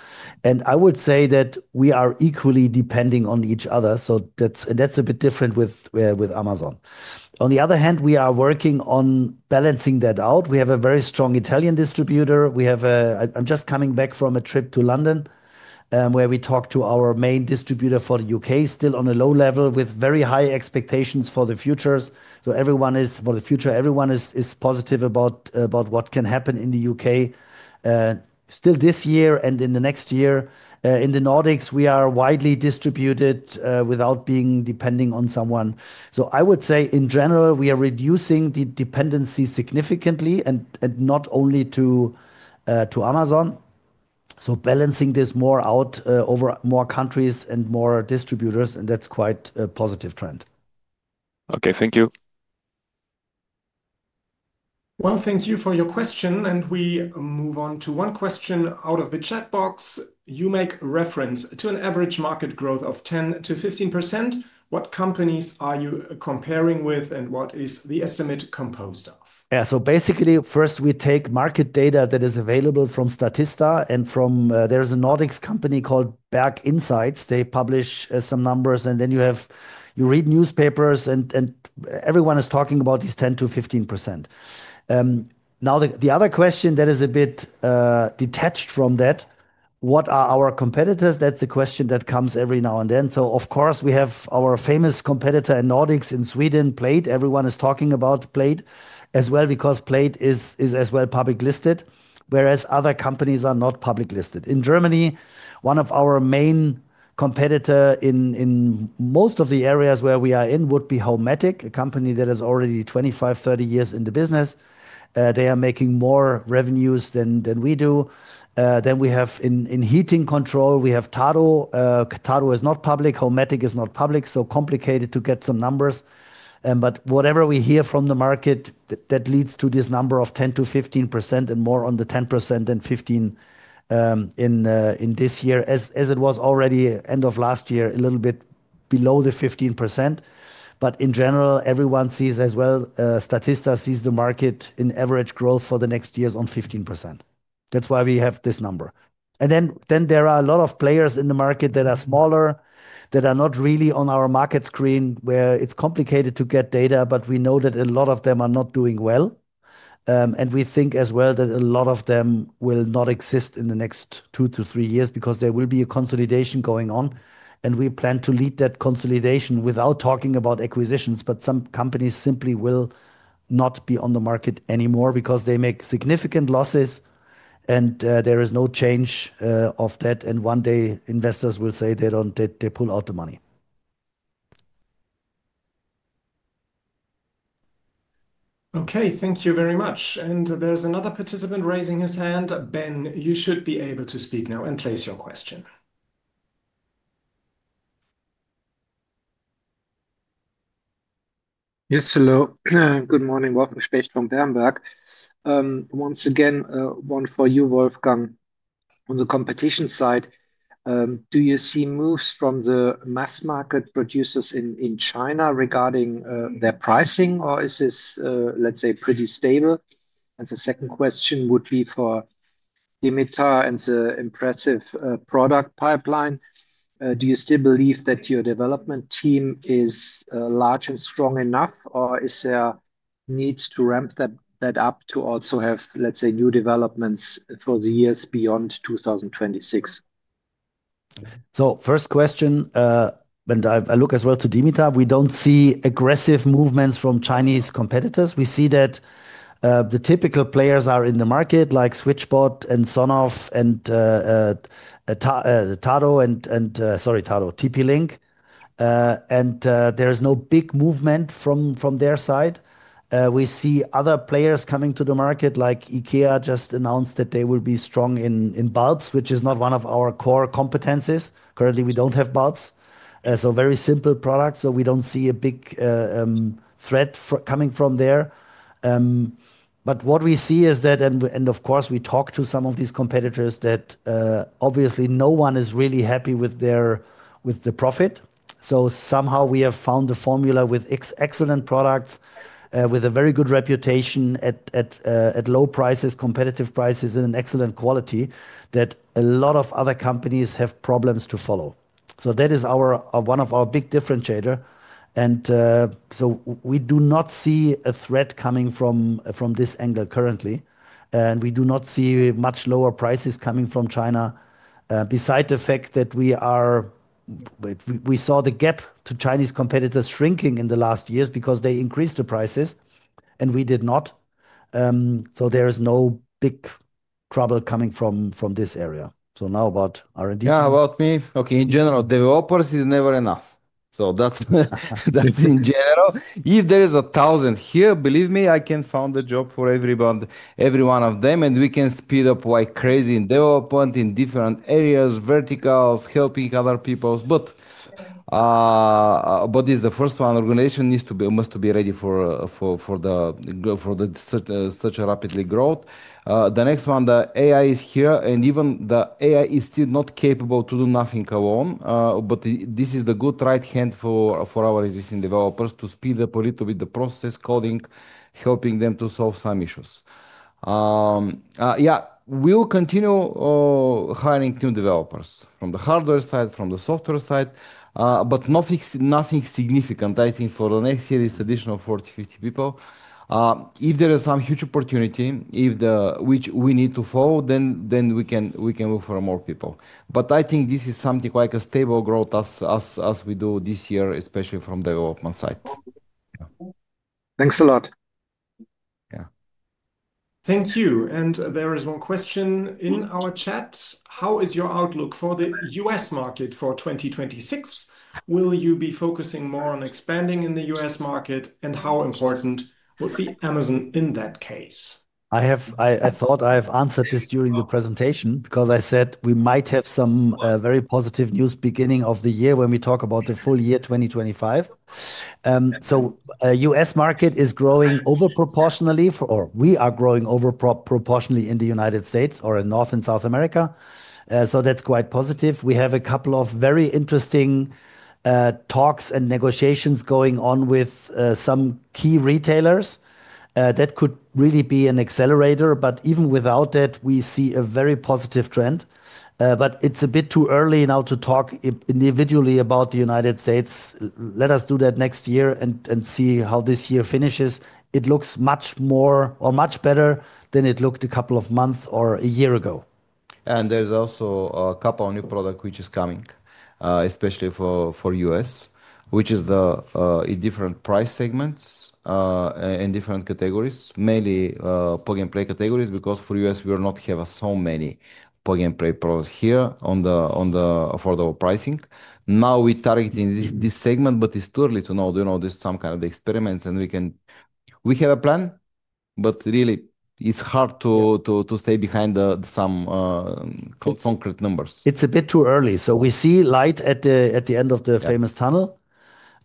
I would say that we are equally depending on each other. That is a bit different with Amazon. On the other hand, we are working on balancing that out. We have a very strong Italian distributor. I'm just coming back from a trip to London where we talked to our main distributor for the U.K., still on a low level with very high expectations for the future. Everyone is positive about what can happen in the U.K., still this year and in the next year. In the Nordics, we are widely distributed without being depending on someone. I would say in general, we are reducing the dependency significantly and not only to Amazon. Balancing this more out over more countries and more distributors, and that's quite a positive trend. Okay. Thank you. Thank you for your question. We move on to one question out of the chat box. You make reference to an average market growth of 10%-15%. What companies are you comparing with and what is the estimate composed of? Yeah, so basically, first, we take market data that is available from Statista and from there is a Nordics company called Berg Insight. They publish some numbers. And then you read newspapers and everyone is talking about these 10%-15%. Now, the other question that is a bit detached from that, what are our competitors? That's the question that comes every now and then. Of course, we have our famous competitor in Nordics, in Sweden, Plejd. Everyone is talking about Plejd as well because Plejd is as well public listed, whereas other companies are not public listed. In Germany, one of our main competitors in most of the areas where we are in would be Homematic, a company that is already 25 years, 30 years in the business. They are making more revenues than we do. Then we have in heating control, we have Tado. Tado is not public. Homematic is not public. So complicated to get some numbers. Whatever we hear from the market, that leads to this number of 10%-15% and more on the 10% and 15% in this year, as it was already end of last year, a little bit below the 15%. In general, everyone sees as well, Statista sees the market in average growth for the next years on 15%. That is why we have this number. There are a lot of players in the market that are smaller, that are not really on our market screen where it is complicated to get data, but we know that a lot of them are not doing well. We think as well that a lot of them will not exist in the next two to three years because there will be a consolidation going on. We plan to lead that consolidation without talking about acquisitions, but some companies simply will not be on the market anymore because they make significant losses and there is no change of that. One day, investors will say they pull out the money. Thank you very much. There is another participant raising his hand. Ben, you should be able to speak now and place your question. Yes, hello. Good morning. Wolfgang Specht, from Berenberg. Once again, one for you, Wolfgang. On the competition side, do you see moves from the mass market producers in China regarding their pricing, or is this, let's say, pretty stable? The second question would be for Dimitar and the impressive product pipeline. Do you still believe that your development team is large and strong enough, or is there a need to ramp that up to also have, let's say, new developments for the years beyond 2026? First question, and I look as well to Dimitar, we do not see aggressive movements from Chinese competitors. We see that the typical players are in the market like SwitchBot and SONOFF and Tado and, sorry, Tado, TP-Link. There is no big movement from their side. We see other players coming to the market like IKEA just announced that they will be strong in bulbs, which is not one of our core competencies. Currently, we do not have bulbs. Very simple products. We do not see a big threat coming from there. What we see is that, and of course, we talk to some of these competitors that obviously no one is really happy with the profit. Somehow we have found the formula with excellent products, with a very good reputation at low prices, competitive prices and excellent quality that a lot of other companies have problems to follow. That is one of our big differentiators. We do not see a threat coming from this angle currently. We do not see much lower prices coming from China, beside the fact that we saw the gap to Chinese competitors shrinking in the last years because they increased the prices and we did not. There is no big trouble coming from this area. Now about R&D. Yeah, about me. Okay, in general, developers is never enough. That is in general. If there is a thousand here, believe me, I can find a job for every one of them and we can speed up like crazy in development in different areas, verticals, helping other people. This is the first one. Organization must be ready for such a rapidly growth. The next one, the AI is here and even the AI is still not capable to do nothing alone. This is the good right hand for our existing developers to speed up a little bit the process, coding, helping them to solve some issues. Yeah, we'll continue hiring new developers from the hardware side, from the software side, but nothing significant. I think for the next year is additional 40 people-50 people. If there is some huge opportunity, which we need to follow, then we can look for more people. I think this is something like a stable growth as we do this year, especially from the development side. Thanks a lot. Yeah. Thank you. There is one question in our chat. How is your outlook for the U.S. market for 2026? Will you be focusing more on expanding in the U.S. market and how important would be Amazon in that case? I thought I have answered this during the presentation because I said we might have some very positive news beginning of the year when we talk about the full year 2025. The U.S. market is growing overproportionally or we are growing overproportionally in the United States or in North and South America. That is quite positive. We have a couple of very interesting talks and negotiations going on with some key retailers that could really be an accelerator. Even without that, we see a very positive trend. It is a bit too early now to talk individually about the United States. Let us do that next year and see how this year finishes. It looks much more or much better than it looked a couple of months or a year ago. There is also a couple of new products which are coming, especially for the U.S., which are the different price segments and different categories, mainly plug-and-play categories because for the U.S., we do not have so many plug-and-play products here on the affordable pricing. Now we target in this segment, but it's too early to know. There is some kind of experiments and we have a plan, but really it's hard to stay behind some concrete numbers. It's a bit too early. We see light at the end of the famous tunnel.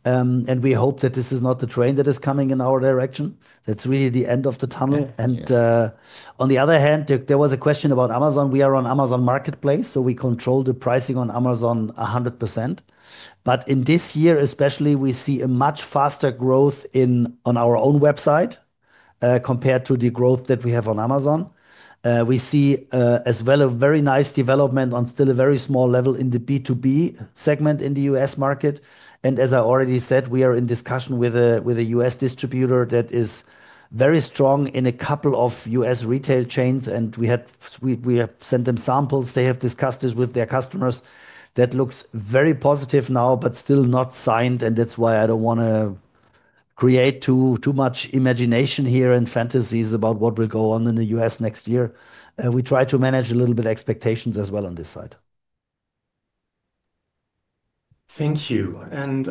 We hope that this is not the train that is coming in our direction. That is really the end of the tunnel. On the other hand, there was a question about Amazon. We are on Amazon Marketplace, so we control the pricing on Amazon 100%. In this year especially, we see a much faster growth on our own website compared to the growth that we have on Amazon. We see as well a very nice development on still a very small level in the B2B segment in the U.S. market. As I already said, we are in discussion with a US distributor that is very strong in a couple of U.S. retail chains. We have sent them samples. They have discussed this with their customers. That looks very positive now, but still not signed. That is why I do not want to create too much imagination here and fantasies about what will go on in the U.S. next year. We try to manage a little bit of expectations as well on this side. Thank you.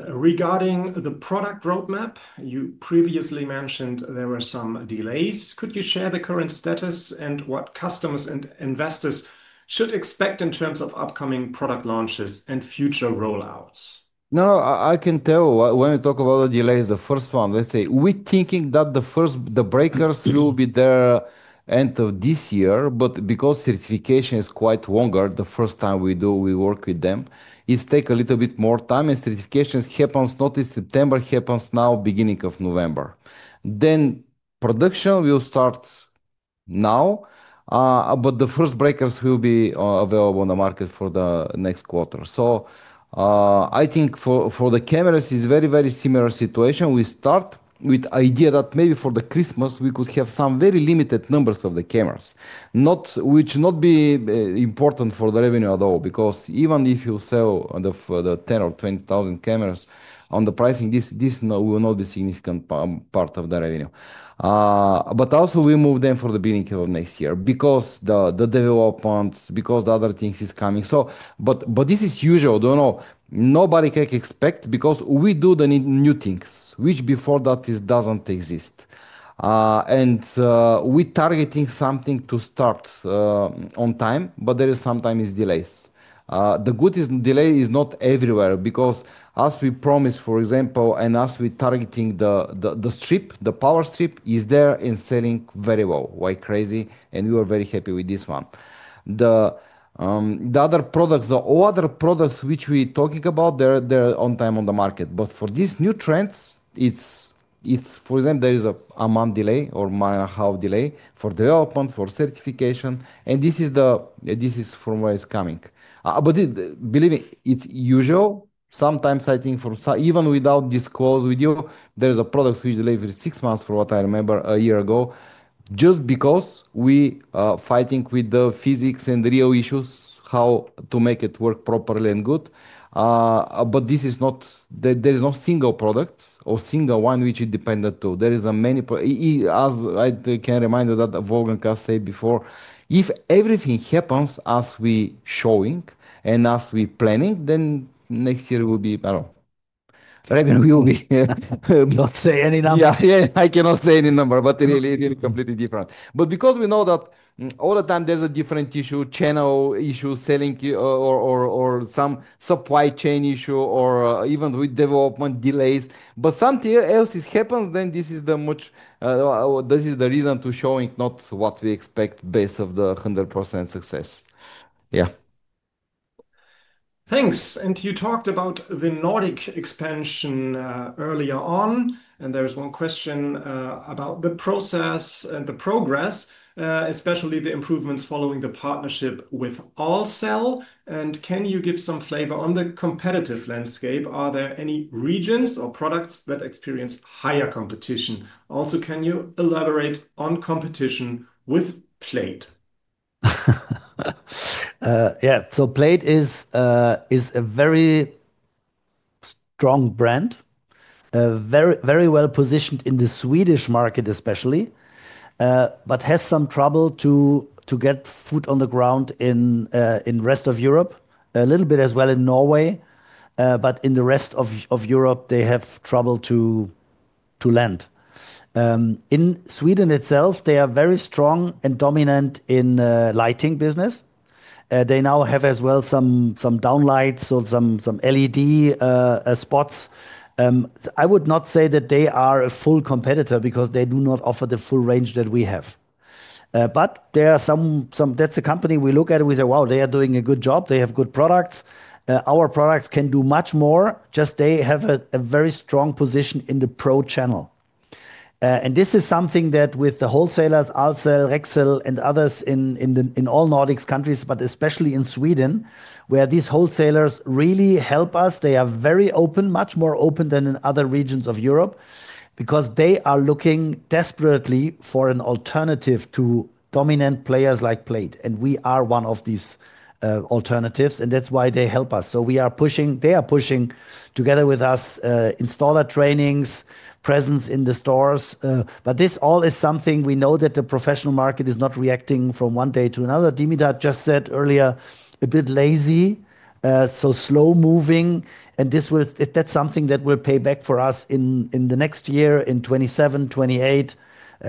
Regarding the product roadmap, you previously mentioned there were some delays. Could you share the current status and what customers and investors should expect in terms of upcoming product launches and future rollouts? No, I can tell when we talk about the delays, the first one, let's say we're thinking that the breakers will be there end of this year. Because certification is quite longer, the first time we work with them, it takes a little bit more time. Certifications happens not in September, happens now beginning of November. Production will start now, but the first breakers will be available on the market for the next quarter. I think for the cameras, it's a very, very similar situation. We start with the idea that maybe for Christmas, we could have some very limited numbers of the cameras, which will not be important for the revenue at all. Because even if you sell the 10 or 20,000 cameras on the pricing, this will not be a significant part of the revenue. Also, we move them for the beginning of next year because the development, because the other things are coming. This is usual. Nobody can expect because we do the new things, which before that does not exist. We are targeting something to start on time, but there are sometimes delays. The good thing is delay is not everywhere because as we promised, for example, and as we are targeting the strip, the Power Strip is there and selling very well, like crazy. We were very happy with this one. The other products, the other products which we are talking about, they are on time on the market. For these new trends, for example, there is a month delay or month and a half delay for development, for certification. This is from where it's coming. Believe me, it's usual. Sometimes I think even without disclosure, there are products which delay for six months, from what I remember a year ago, just because we are fighting with the physics and real issues how to make it work properly and good. There is no single product or single one which is dependent too. There are many. I can remind you that Wolfgang said before, if everything happens as we are showing and as we are planning, then next year will be. Revenue. We will not say any number. Yeah, I cannot say any number, but it will be completely different. Because we know that all the time there's a different issue, channel issue, selling or some supply chain issue or even with development delays. Something else happens, then this is the reason to showing not what we expect based on the 100% success. Yeah. Thanks. You talked about the Nordic expansion earlier on. There's one question about the process and the progress, especially the improvements following the partnership with Ahlsell. Can you give some flavor on the competitive landscape? Are there any regions or products that experience higher competition? Also, can you elaborate on competition with Plejd? Yeah, so Plejd is a very strong brand, very well positioned in the Swedish market especially, but has some trouble to get foot on the ground in the rest of Europe, a little bit as well in Norway. In the rest of Europe, they have trouble to land. In Sweden itself, they are very strong and dominant in the lighting business. They now have as well some downlights or some LED spots. I would not say that they are a full competitor because they do not offer the full range that we have. That is a company we look at. We say, wow, they are doing a good job. They have good products. Our products can do much more. They have a very strong position in the pro channel. This is something that with the wholesalers, Ahlsell, Rexel, and others in all Nordic countries, but especially in Sweden, where these wholesalers really help us. They are very open, much more open than in other regions of Europe because they are looking desperately for an alternative to dominant players like Plejd. We are one of these alternatives, and that is why they help us. They are pushing together with us installer trainings, presence in the stores. This all is something we know, that the professional market is not reacting from one day to another. Dimitar just said earlier, a bit lazy, so slow moving. That is something that will pay back for us in the next year, in 2027, 2028.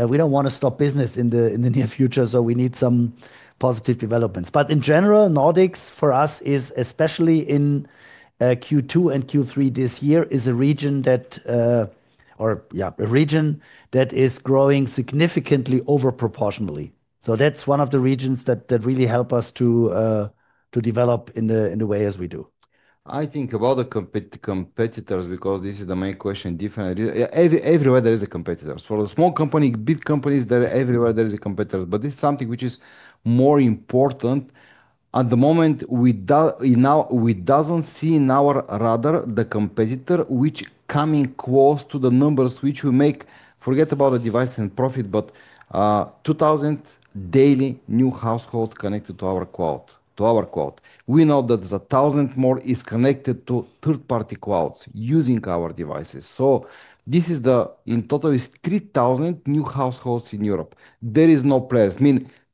We do not want to stop business in the near future, so we need some positive developments. In general, Nordics for us, especially in Q2 and Q3 this year, is a region that is growing significantly overproportionally. That is one of the regions that really help us to develop in the way as we do. I think about the competitors because this is the main question. Everywhere there are competitors. For the small company, big companies, everywhere there are competitors. This is something which is more important. At the moment, we do not see in our radar the competitor which is coming close to the numbers which will make, forget about the device and profit, but 2,000 daily new households connected to our cloud. We know that 1,000 more is connected to third-party clouds using our devices. This is, in total, 3,000 new households in Europe. There are no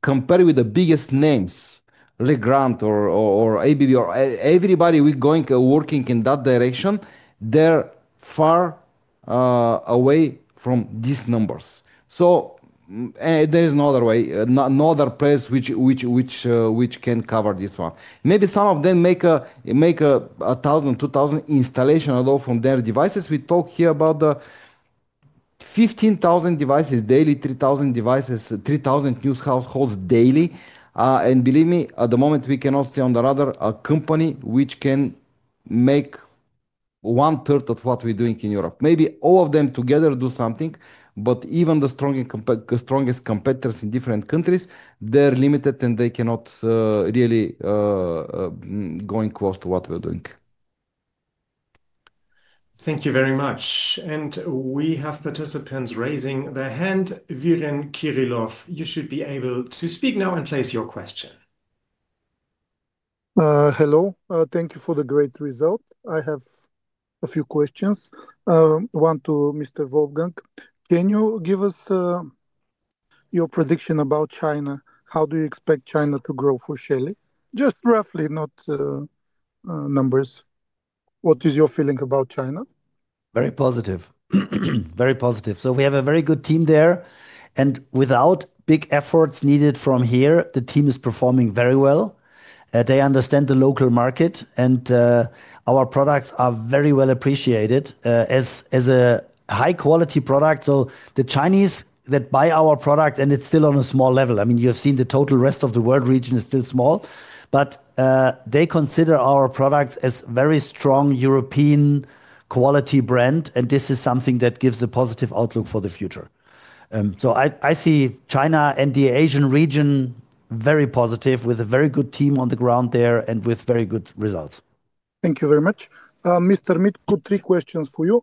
players. I mean, compare with the biggest names, Legrand or ABB, or everybody working in that direction, they are far away from these numbers. There is no other way, no other players which can cover this one. Maybe some of them make 1,000-2,000 installations from their devices. We talk here about 15,000 devices daily, 3,000 devices, 3,000 new households daily. Believe me, at the moment, we cannot see on the radar a company which can make 1/3 of what we are doing in Europe. Maybe all of them together do something, but even the strongest competitors in different countries are limited and they cannot really go close to what we are doing. Thank you very much. We have participants raising their hand. Vesselin Kirilov, you should be able to speak now and place your question. Hello. Thank you for the great result. I have a few questions. One to Mr. Wolfgang. Can you give us your prediction about China? How do you expect China to grow for Shelly? Just roughly, not numbers. What is your feeling about China? Very positive. Very positive. We have a very good team there. Without big efforts needed from here, the team is performing very well. They understand the local market and our products are very well appreciated as a high-quality product. The Chinese that buy our product, and it's still on a small level. I mean, you have seen the total rest of the world region is still small, but they consider our products as a very strong European quality brand. This is something that gives a positive outlook for the future. I see China and the Asian region very positive with a very good team on the ground there and with very good results. Thank you very much. Mr. Mit, two questions for you.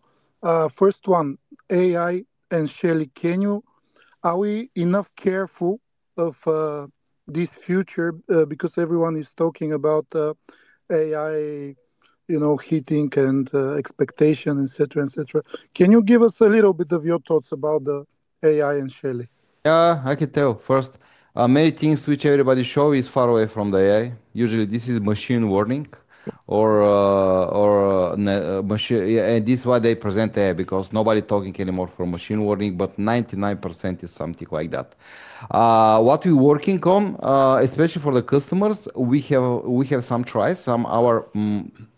First one, AI and Shelly, can you be enough careful of this future because everyone is talking about AI, heating, and expectations, etc., etc.? Can you give us a little bit of your thoughts about the AI and Shelly? Yeah, I can tell. First, many things which everybody shows is far away from the AI. Usually, this is machine learning or machine. This is why they present AI because nobody is talking anymore for machine learning, but 99% is something like that. What we are working on, especially for the customers, we have some tries. Some of our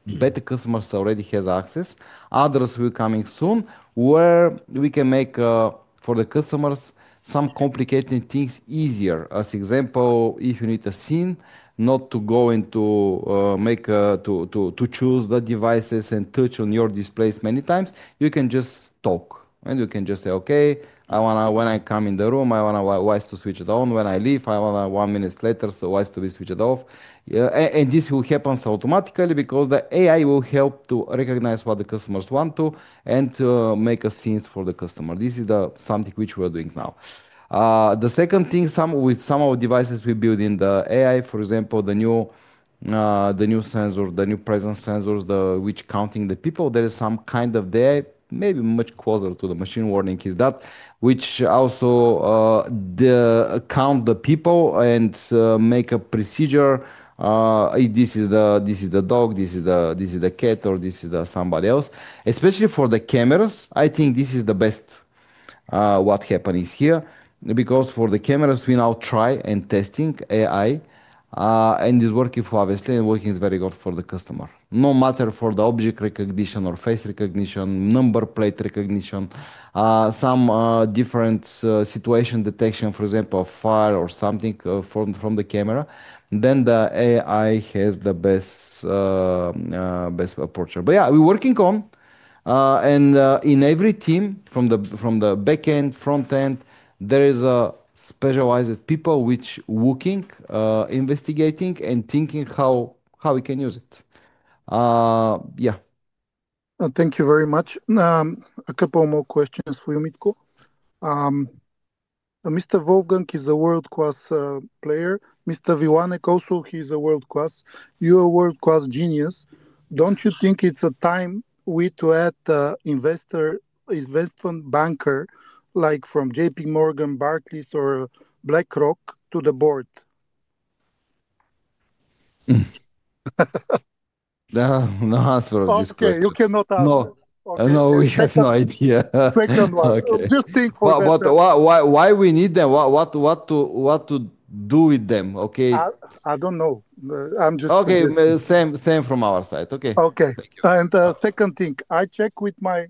better customers already have access. Others will be coming soon where we can make for the customers some complicated things easier. As an example, if you need a scene not to go into to choose the devices and touch on your displays many times, you can just talk. You can just say, "Okay, when I come in the room, I want to wipe to switch it on. When I leave, I want one minute later, so it wipes to be switched off. This will happen automatically because the AI will help to recognize what the customers want to and make a sense for the customer. This is something which we are doing now. The second thing, some of the devices we build in the AI, for example, the new sensor, the new presence sensors, which are counting the people, there is some kind of there, maybe much closer to the machine warning is that which also counts the people and makes a procedure. This is the dog, this is the cat, or this is somebody else. Especially for the cameras, I think this is the best what happens here because for the cameras, we now try and test AI, and it's working for us, and it's working very well for the customer. No matter for the object recognition or face recognition, number Plejd recognition, some different situation detection, for example, a fire or something from the camera, the AI has the best approach. Yeah, we're working on. In every team, from the backend, frontend, there are specialized people which are working, investigating, and thinking how we can use it. Yeah. Thank you very much. A couple more questions for you, Mitko. Mr. Wolfgang is a world-class player. Mr. Vilanek also, he's a world-class. You're a world-class genius. Don't you think it's a time we need to add an investment banker like from JPMorgan, Barclays, or BlackRock to the board? No, not for this question. Okay, you cannot answer. No, we have no idea. Second one. Just think for that. Why we need them? What to do with them? Okay. I don't know. I'm just curious. Okay, same from our side. Okay. Okay. And the second thing, I checked with my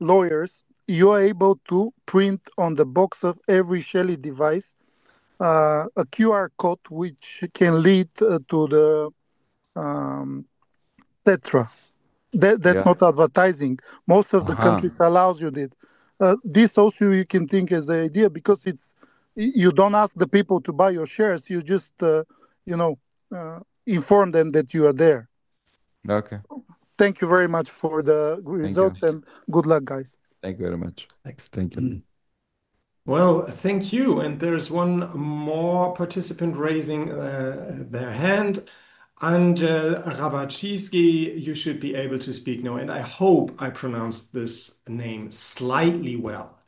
lawyers. You are able to print on the box of every Shelly device a QR code which can lead to the Tetra. That's not advertising. Most of the countries allow you to do it. This also, you can think as an idea because you do not ask the people to buy your shares. You just inform them that you are there. Okay. Thank you very much for the results and good luck, guys. Thank you very much. Thanks. Thank you. Thank you. There is one more participant raising their hand. Angel Rabarczynski, you should be able to speak now. I hope I pronounced this name slightly well.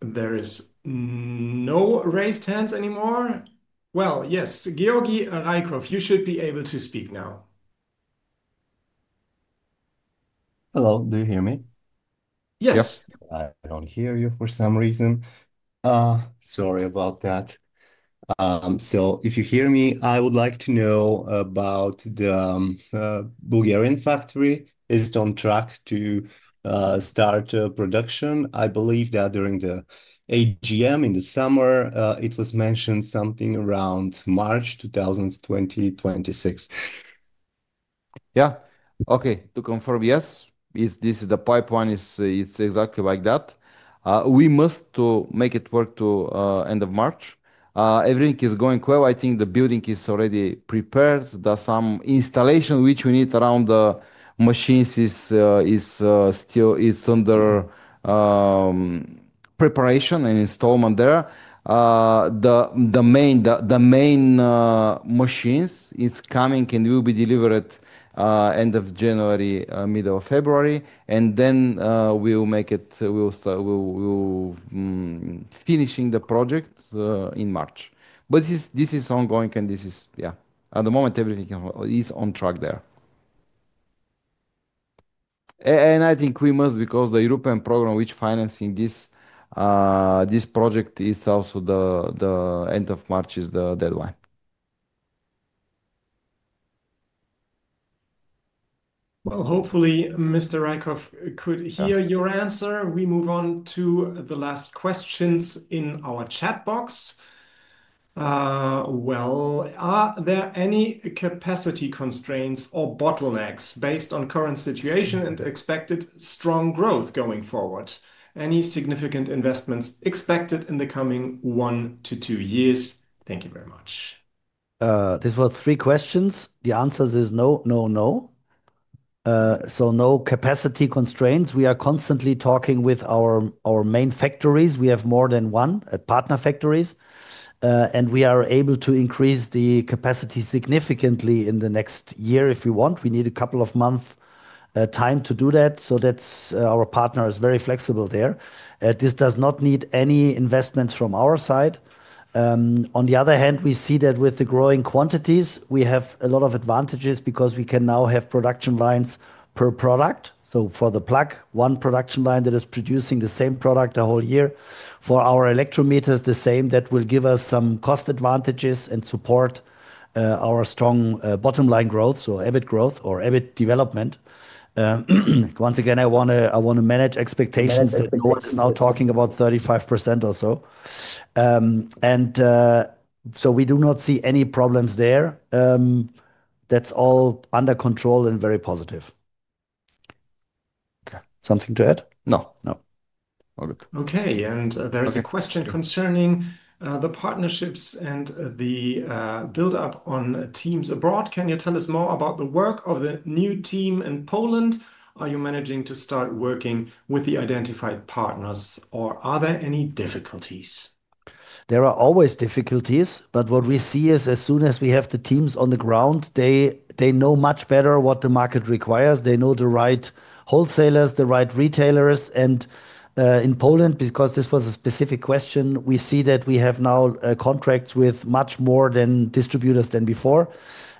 There are no raised hands anymore. Yes, Georgi Reykov, you should be able to speak now. Hello, do you hear me? Yes. Yep. I don't hear you for some reason. Sorry about that. If you hear me, I would like to know about the Bulgarian factory. Is it on track to start production? I believe that during the AGM in the summer, it was mentioned something around March 2026. Yeah. Okay. To confirm, yes, this is the pipeline. It's exactly like that. We must make it work to end of March. Everything is going well. I think the building is already prepared. There's some installation which we need around the machines is still under preparation and installment there. The main machines are coming and will be delivered at the end of January, middle of February. Then we'll finish the project in March. This is ongoing and this is, yeah, at the moment, everything is on track there. I think we must because the European program which is financing this project is also the end of March is the deadline. Hopefully, Mr. Reykov could hear your answer. We move on to the last questions in our chat box. Are there any capacity constraints or bottlenecks based on the current situation and expected strong growth going forward? Any significant investments expected in the coming one to two years? Thank you very much. These were three questions. The answer is no, no, no. No capacity constraints. We are constantly talking with our main factories. We have more than one at partner factories. We are able to increase the capacity significantly in the next year if we want. We need a couple of months' time to do that. Our partner is very flexible there. This does not need any investments from our side. On the other hand, we see that with the growing quantities, we have a lot of advantages because we can now have production lines per product. For the plug, one production line that is producing the same product the whole year. For our electro meters, the same. That will give us some cost advantages and support our strong bottom line growth, so EBIT growth or EBIT development. Once again, I want to manage expectations. The board is now talking about 35% or so. We do not see any problems there. That is all under control and very positive. Okay. Something to add? No. No. All good. Okay. There is a question concerning the partnerships and the build-up on teams abroad. Can you tell us more about the work of the new team in Poland? Are you managing to start working with the identified partners, or are there any difficulties? There are always difficulties. What we see is as soon as we have the teams on the ground, they know much better what the market requires. They know the right wholesalers, the right retailers. In Poland, because this was a specific question, we see that we have now contracts with much more distributors than before.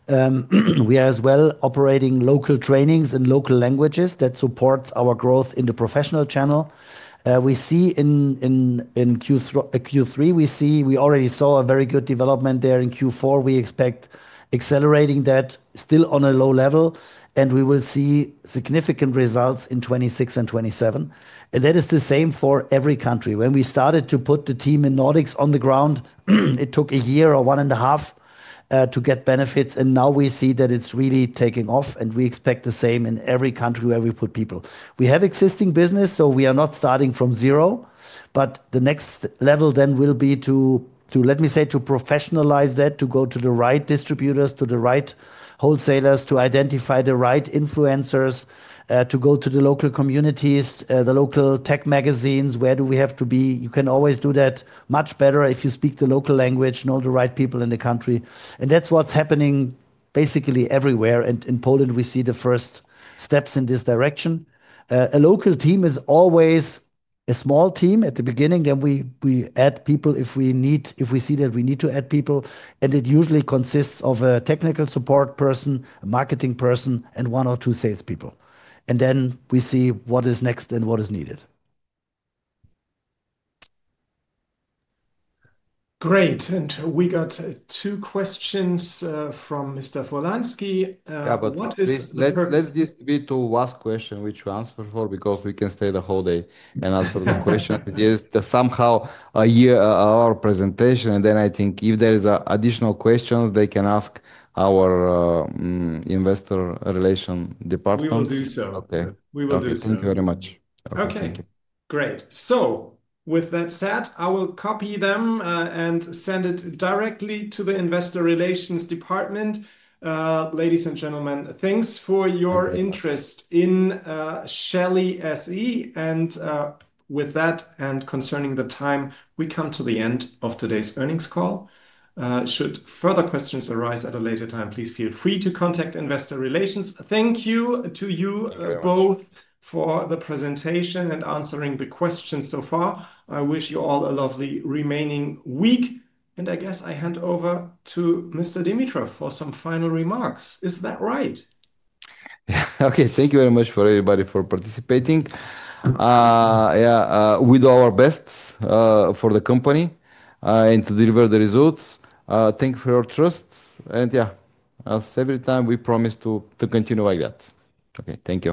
We are as well operating local trainings and local languages that support our growth in the professional channel. We see in Q3, we already saw a very good development there. In Q4, we expect accelerating that still on a low level. We will see significant results in 2026 and 2027. That is the same for every country. When we started to put the team in Nordics on the ground, it took a year or one and a half to get benefits. Now we see that it is really taking off. We expect the same in every country where we put people. We have existing business, so we are not starting from zero. The next level then will be to, let me say, to professionalize that, to go to the right distributors, to the right wholesalers, to identify the right influencers, to go to the local communities, the local tech magazines. Where do we have to be? You can always do that much better if you speak the local language, know the right people in the country. That is what is happening basically everywhere. In Poland, we see the first steps in this direction. A local team is always a small team at the beginning. We add people if we see that we need to add people. It usually consists of a technical support person, a marketing person, and one or two salespeople. We see what is next and what is needed. Great. We got two questions from Mr. Wolański. Yeah, but let's just be to ask questions which we answer for because we can stay the whole day and answer the questions. Just somehow our presentation. I think if there are additional questions, they can ask our investor relation department. We will do so. Okay. Thank you very much. Okay. Thank you. Great. With that said, I will copy them and send it directly to the investor relations department. Ladies and gentlemen, thanks for your interest in Shelly SE. With that and concerning the time, we come to the end of today's earnings call. Should further questions arise at a later time, please feel free to contact investor relations. Thank you to you both for the presentation and answering the questions so far. I wish you all a lovely remaining week. I guess I hand over to Mr. Dimitrov for some final remarks. Is that right? Okay. Thank you very much for everybody for participating. Yeah, we do our best for the company and to deliver the results. Thank you for your trust. Yeah, as every time, we promise to continue like that. Okay. Thank you.